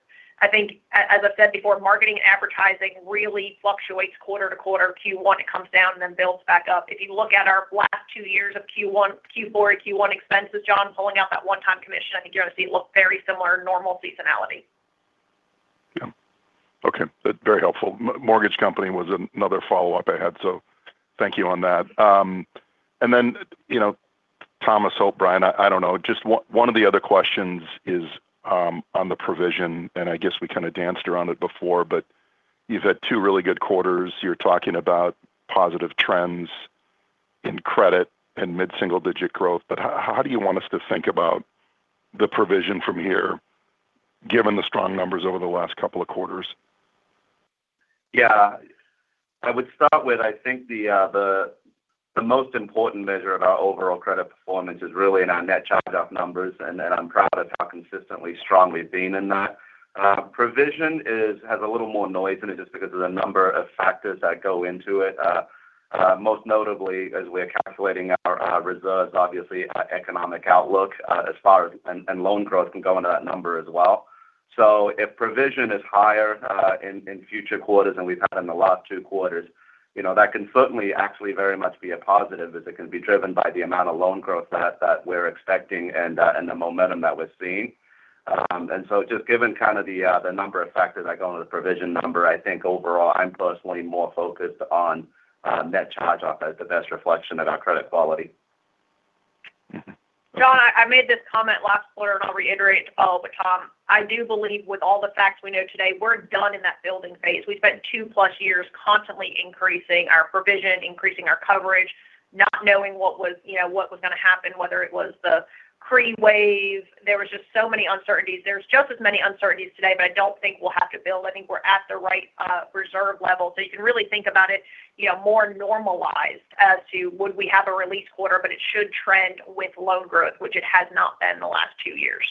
As I've said before, marketing and advertising really fluctuates quarter to quarter. Q1, it comes down and then builds back up. If you look at our last two years of Q4 and Q1 expenses, John, pulling out that one-time commission, you're going to see it look very similar in normal seasonality. Yeah. Okay. Very helpful. Mortgage company was another follow-up I had, so thank you on that. And then Thomas, Hope, Brian, I don't know. Just one of the other questions is on the provision, and we danced around it before, but you've had two really good quarters. You're talking about positive trends in credit and mid-single-digit growth, but how do you want us to think about the provision from here, given the strong numbers over the last couple of quarters? Yeah. I would start with, the most important measure of our overall credit performance is really in our net charge-off numbers, and I'm proud of how consistently, strongly we've been in that. Provision has a little more noise in it just because of the number of factors that go into it. Most notably, as we are calculating our reserves, obviously, our economic outlook as far as and loan growth can go into that number as well. So if provision is higher in future quarters, and we've had in the last two quarters, that can certainly actually very much be a positive as it can be driven by the amount of loan growth that we're expecting and the momentum that we're seeing. And so, just given the number of factors that go into the provision number overall, I'm personally more focused on net charge-offs as the best reflection of our credit quality. Jon, I made this comment last quarter, and I'll reiterate it to follow up with Tom. I do believe with all the facts we know today, we're done in that building phase. We spent two-plus years constantly increasing our provision, increasing our coverage, not knowing what was going to happen, whether it was the COVID wave. There were just so many uncertainties. There's just as many uncertainties today, but I don't think we'll have to build. We're at the right reserve level. So you can really think about it more normalized as to would we have a release quarter, but it should trend with loan growth, which it has not been in the last two years.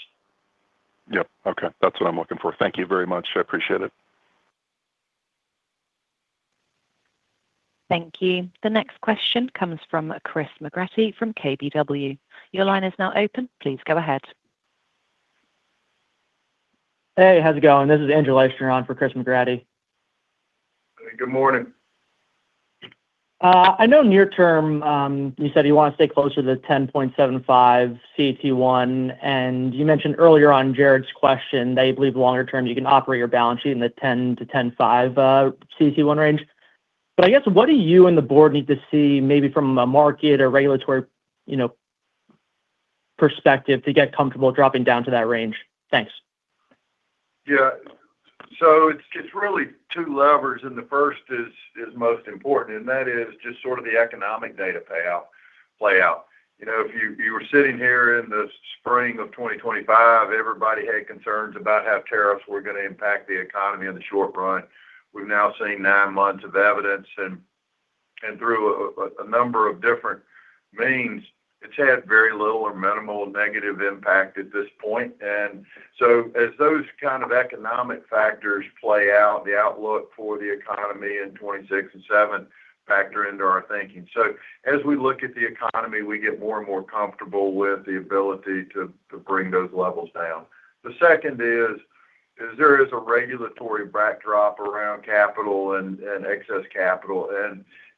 Yep. Okay. That's what I'm looking for. Thank you very much. I appreciate it. Thank you. The next question comes from Chris McGratty from KBW. Your line is now open. Please go ahead. Hey, how's it going? This is Andrew Leischner for Chris McGratty. Hey, good morning. I know near-term, you said you want to stay closer to the 10.75 CET1, and you mentioned earlier on Jared's question that you believe longer-term you can operate your balance sheet in the 10-10.5 CET1 range. What do you and the board need to see maybe from a market or regulatory perspective to get comfortable dropping down to that range? Thanks. Yeah. So it's really two levers, and the first is most important, and that is just the economic data play out. If you were sitting here in the spring of 2025, everybody had concerns about how tariffs were going to impact the economy in the short run. We've now seen nine months of evidence, and through a number of different means, it's had very little or minimal negative impact at this point. And so as those economic factors play out, the outlook for the economy in 2026 and 2027 factor into our thinking. So as we look at the economy, we get more and more comfortable with the ability to bring those levels down. The second is there is a regulatory backdrop around capital and excess capital,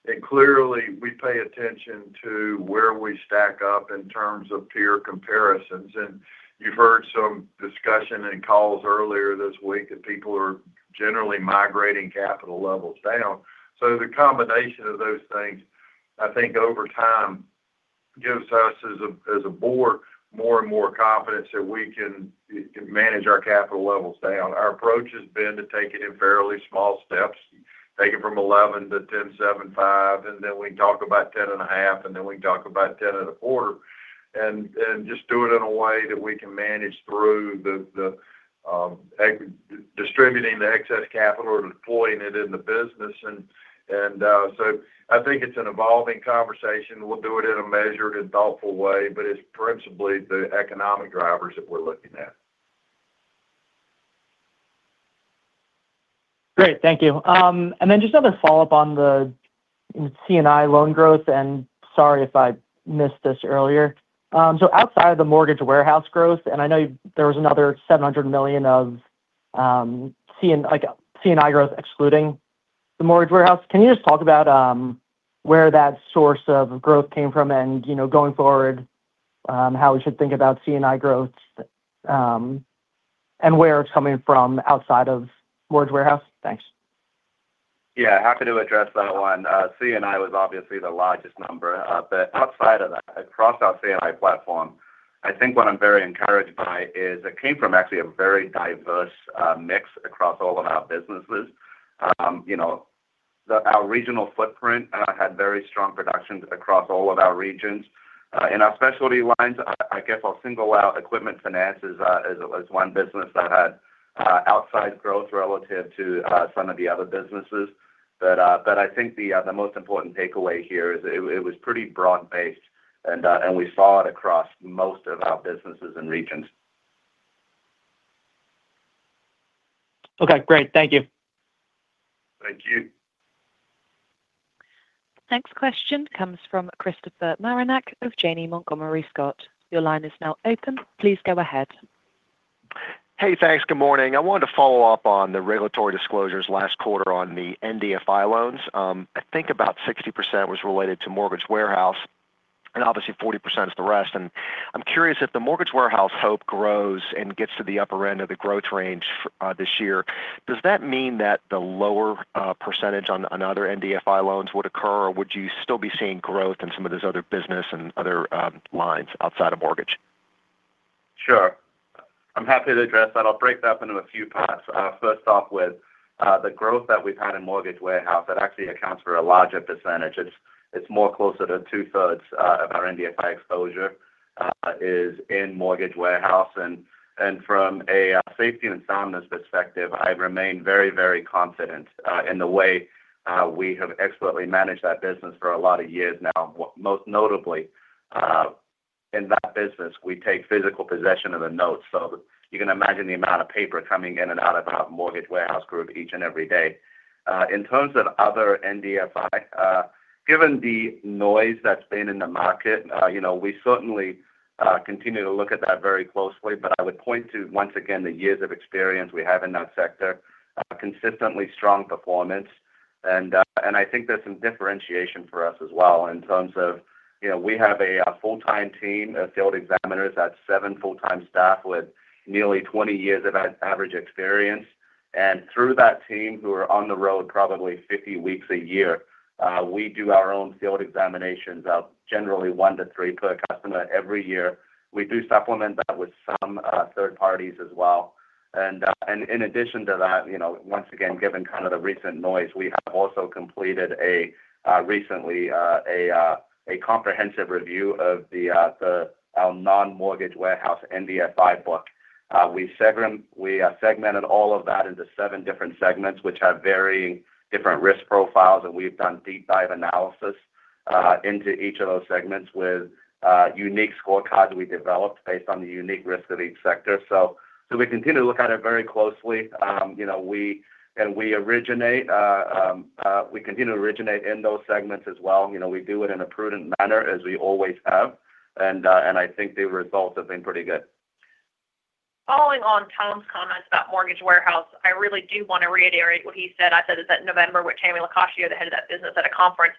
and clearly, we pay attention to where we stack up in terms of peer comparisons. And you've heard some discussion and calls earlier this week that people are generally migrating capital levels down. So the combination of those things, over time, gives us as a board more and more confidence that we can manage our capital levels down. Our approach has been to take it in fairly small steps, take it from 11 to 10.75, and then we can talk about 10.5, and then we can talk about 10.25, and just do it in a way that we can manage through distributing the excess capital or deploying it in the business. And so it's an evolving conversation. We'll do it in a measured and thoughtful way, but it's principally the economic drivers that we're looking at. Great. Thank you. And then just another follow-up on the C&I loan growth, and sorry if I missed this earlier. So outside of the mortgage warehouse growth, and I know there was another $700 million of C&I growth excluding the mortgage warehouse. Can you just talk about where that source of growth came from and going forward, how we should think about C&I growth and where it's coming from outside of mortgage warehouse? Thanks. Yeah. Happy to address that one. C&I was obviously the largest number, but outside of that, across our C&I platform what I'm very encouraged by is it came from actually a very diverse mix across all of our businesses. Our regional footprint had very strong production across all of our regions. In our specialty lines, I'll single out equipment finance as one business that had outsize growth relative to some of the other businesses. The most important takeaway here is it was pretty broad-based, and we saw it across most of our businesses and regions. Okay. Great. Thank you. Thank you. The next question comes from Christopher Marinac of Janney Montgomery Scott. Your line is now open. Please go ahead. Hey, thanks. Good morning. I wanted to follow up on the regulatory disclosures last quarter on the NDFI loans. About 60% was related to mortgage warehouse, and obviously, 40% is the rest. And I'm curious, if the mortgage warehouse, Hope, grows and gets to the upper end of the growth range this year, does that mean that the lower percentage on other NDFI loans would occur, or would you still be seeing growth in some of those other business and other lines outside of mortgage? Sure. I'm happy to address that. I'll break that up into a few parts. First off, with the growth that we've had in mortgage warehouse, that actually accounts for a larger percentage. It's more closer to two-thirds of our NDFI exposure is in mortgage warehouse, and from a safety and soundness perspective, I remain very, very confident in the way we have expertly managed that business for a lot of years now. Most notably, in that business, we take physical possession of the notes, so you can imagine the amount of paper coming in and out of our mortgage warehouse group each and every day. In terms of other NDFI, given the noise that's been in the market, we certainly continue to look at that very closely, but I would point to, once again, the years of experience we have in that sector, consistently strong performance. There's some differentiation for us as well in terms of we have a full-time team of field examiners. That's seven full-time staff with nearly 20 years of average experience. And through that team who are on the road probably 50 weeks a year, we do our own field examinations of generally one to three per customer every year. We do supplement that with some third parties as well. And in addition to that, once again, given the recent noise, we have also completed recently a comprehensive review of our non-mortgage warehouse NDFI book. We segmented all of that into seven different segments, which have very different risk profiles, and we've done deep-dive analysis into each of those segments with unique scorecards we developed based on the unique risk of each sector. We continue to look at it very closely, and we continue to originate in those segments as well. We do it in a prudent manner, as we always have, and the results have been pretty good. Following on Tom's comments about mortgage warehouse, I really do want to reiterate what he said. I said it's at November with Tammy LoCascio, the head of that business, at a conference.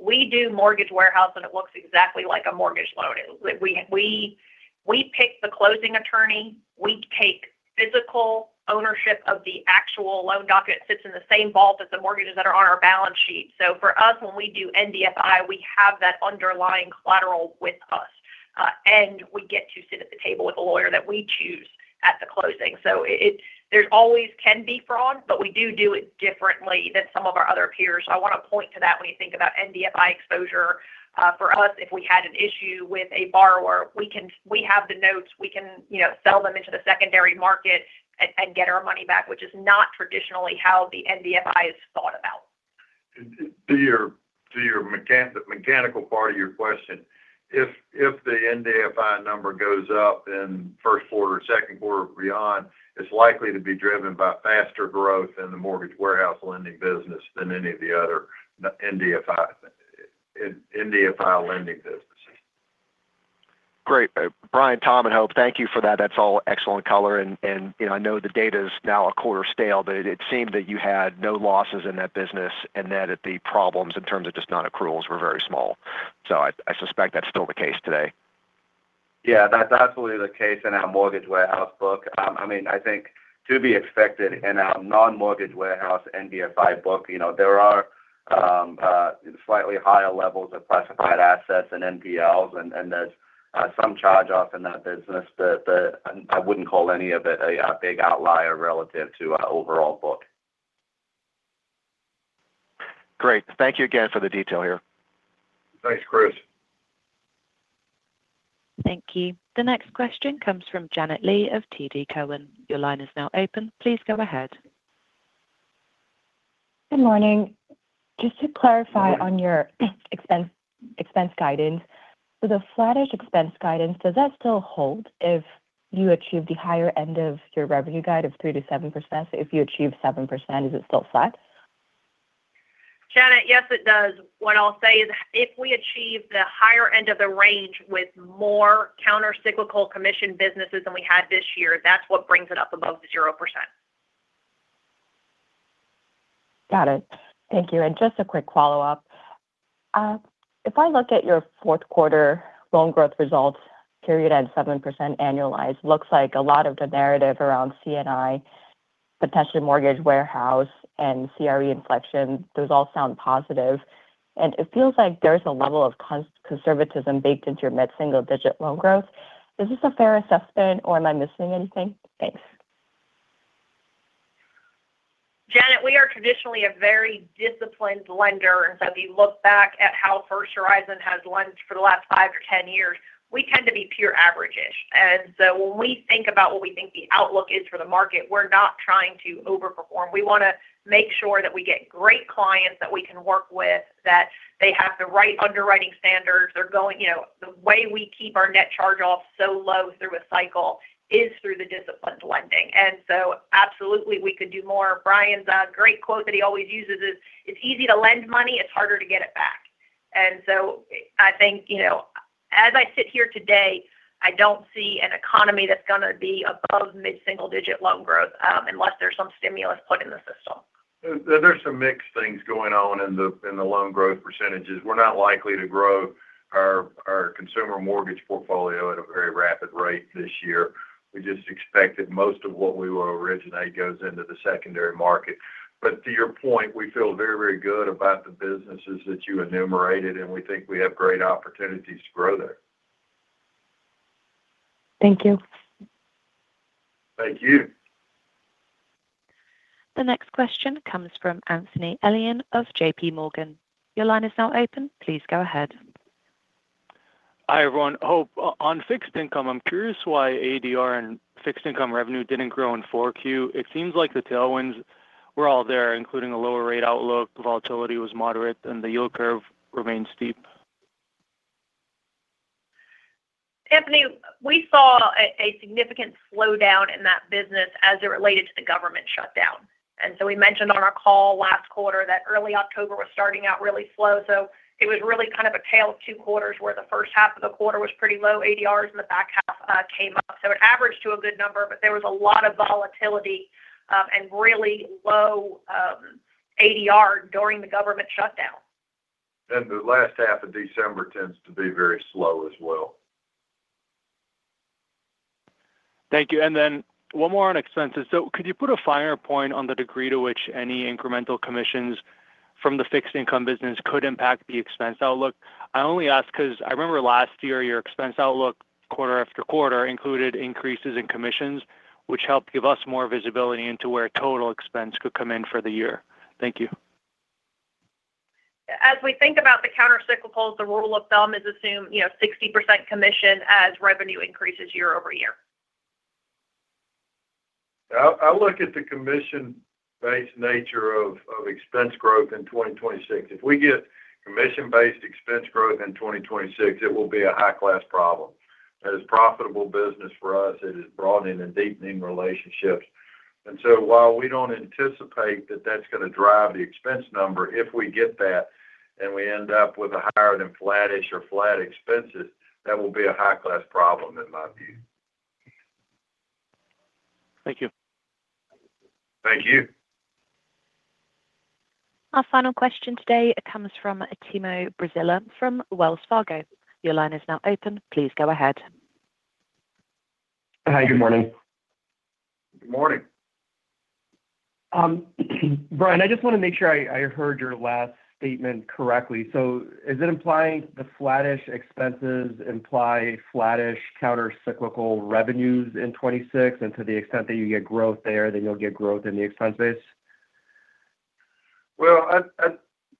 We do mortgage warehouse, and it looks exactly like a mortgage loan. We pick the closing attorney. We take physical ownership of the actual loan document. It sits in the same vault as the mortgages that are on our balance sheet. So for us, when we do NDFI, we have that underlying collateral with us, and we get to sit at the table with a lawyer that we choose at the closing. So there always can be fraud, but we do do it differently than some of our other peers. So I want to point to that when you think about NDFI exposure. For us, if we had an issue with a borrower, we have the notes. We can sell them into the secondary market and get our money back, which is not traditionally how the NDFI is thought about. To the mechanical part of your question, if the NDFI number goes up in first quarter, second quarter, beyond, it's likely to be driven by faster growth in the mortgage warehouse lending business than any of the other NDFI lending businesses. Great. Bryan, Tom, and Hope, thank you for that. That's all excellent color, and I know the data is now a quarter stale, but it seemed that you had no losses in that business and that the problems in terms of just non-accruals were very small, so I suspect that's still the case today. Yeah. That's absolutely the case in our mortgage warehouse book. To be expected in our non-mortgage warehouse NDFI book, there are slightly higher levels of classified assets and NPLs, and there's some charge-off in that business, but I wouldn't call any of it a big outlier relative to our overall book. Great. Thank you again for the detail here. Thanks, Chris. Thank you. The next question comes from Janet Lee of TD Cowen. Your line is now open. Please go ahead. Good morning. Just to clarify on your expense guidance, so the flat-ish expense guidance, does that still hold if you achieve the higher end of your revenue guide of 3%-7%? So if you achieve 7%, is it still flat? Janet, yes, it does. What I'll say is if we achieve the higher end of the range with more countercyclical commission businesses than we had this year, that's what brings it up above the 0%. Got it. Thank you. And just a quick follow-up. If I look at your fourth quarter loan growth results period at 7% annualized, it looks like a lot of the narrative around C&I, potentially mortgage warehouse, and CRE inflection, those all sound positive. And it feels like there's a level of conservatism baked into your mid-single-digit loan growth. Is this a fair assessment, or am I missing anything? Thanks. Janet, we are traditionally a very disciplined lender. And so if you look back at how First Horizon has lent for the last 5 to 10 years, we tend to be peer average-ish. And so when we think about what we think the outlook is for the market, we're not trying to overperform. We want to make sure that we get great clients that we can work with, that they have the right underwriting standards. The way we keep our net charge-off so low through a cycle is through the disciplined lending. And so absolutely, we could do more. Brian's great quote that he always uses is, "It's easy to lend money. It's harder to get it back." And so as I sit here today, I don't see an economy that's going to be above mid-single-digit loan growth unless there's some stimulus put in the system. There's some mixed things going on in the loan growth percentages. We're not likely to grow our consumer mortgage portfolio at a very rapid rate this year. We just expect that most of what we will originate goes into the secondary market, but to your point, we feel very, very good about the businesses that you enumerated, and we think we have great opportunities to grow there. Thank you. Thank you. The next question comes from Anthony Elian of J.P. Morgan. Your line is now open. Please go ahead. Hi everyone. Hope, on fixed income, I'm curious why ADR and fixed income revenue didn't grow in 4Q. It seems like the tailwinds were all there, including a lower rate outlook. Volatility was moderate, and the yield curve remained steep. Anthony, we saw a significant slowdown in that business as it related to the government shutdown, and so we mentioned on our call last quarter that early October was starting out really slow, so it was really a tale of two quarters where the first half of the quarter was pretty low. ADRs in the back half came up, so it averaged to a good number, but there was a lot of volatility and really low ADR during the government shutdown. The last half of December tends to be very slow as well. Thank you. And then one more on expenses. So could you put a finer point on the degree to which any incremental commissions from the fixed income business could impact the expense outlook? I only ask because I remember last year your expense outlook, quarter after quarter, included increases in commissions, which helped give us more visibility into where total expense could come in for the year. Thank you. As we think about the countercyclicals, the rule of thumb is assume 60% commission as revenue increases year over year. I look at the commission-based nature of expense growth in 2026. If we get commission-based expense growth in 2026, it will be a high-class problem. It is profitable business for us. It is broadening and deepening relationships. And so while we don't anticipate that that's going to drive the expense number, if we get that and we end up with a higher than flat-ish or flat expenses, that will be a high-class problem in my view. Thank you. Thank you. Our final question today comes from Timur Braziler from Wells Fargo. Your line is now open. Please go ahead. Hi, good morning. Good morning. Bryan, I just want to make sure I heard your last statement correctly. So is it implying the flat-ish expenses imply flat-ish countercyclical revenues in 2026? And to the extent that you get growth there, then you'll get growth in the expense base?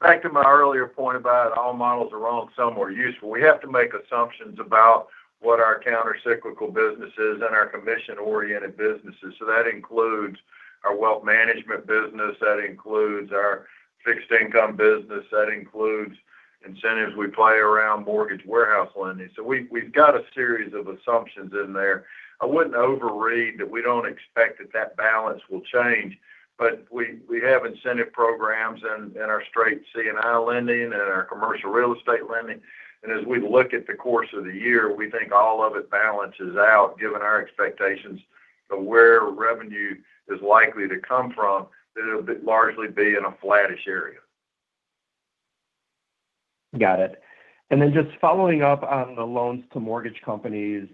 Back to my earlier point about all models are wrong, some are useful. We have to make assumptions about what our countercyclical business is and our commission-oriented businesses. So that includes our wealth management business. That includes our fixed income business. That includes incentives we play around mortgage warehouse lending. So we've got a series of assumptions in there. I wouldn't overread that we don't expect that that balance will change, but we have incentive programs in our straight C&I lending and our commercial real estate lending. And as we look at the course of the year, we think all of it balances out, given our expectations of where revenue is likely to come from, that it'll largely be in a flat-ish area. Got it. And then just following up on the loans to mortgage companies,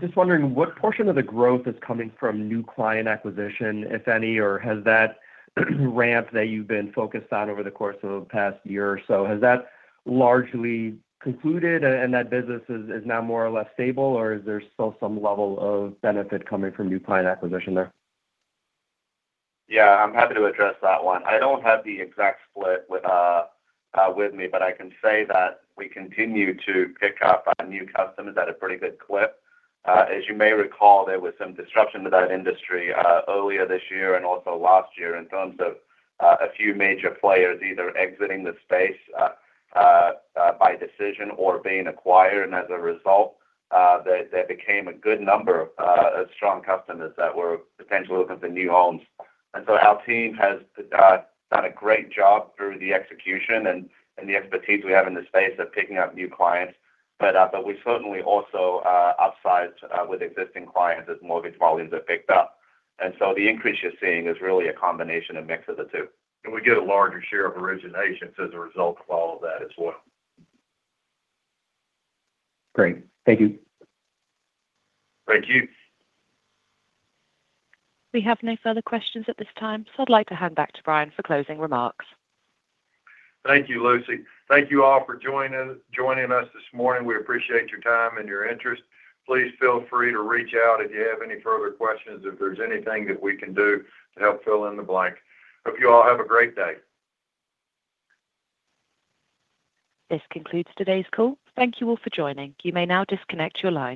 just wondering what portion of the growth is coming from new client acquisition, if any, or has that ramp that you've been focused on over the course of the past year or so, has that largely concluded and that business is now more or less stable, or is there still some level of benefit coming from new client acquisition there? Yeah. I'm happy to address that one. I don't have the exact split with me, but I can say that we continue to pick up new customers at a pretty good clip. As you may recall, there was some disruption to that industry earlier this year and also last year in terms of a few major players either exiting the space by decision or being acquired. And as a result, there became a good number of strong customers that were potentially looking for new homes. And so our team has done a great job through the execution and the expertise we have in the space of picking up new clients. But we certainly also upsized with existing clients as mortgage volumes have picked up. And so the increase you're seeing is really a combination, a mix of the two. We get a larger share of originations as a result of all of that as well. Great. Thank you. Thank you. We have no further questions at this time, so I'd like to hand back to Bryan for closing remarks. Thank you, Lucy. Thank you all for joining us this morning. We appreciate your time and your interest. Please feel free to reach out if you have any further questions, if there's anything that we can do to help fill in the blank. Hope you all have a great day. This concludes today's call. Thank you all for joining. You may now disconnect your line.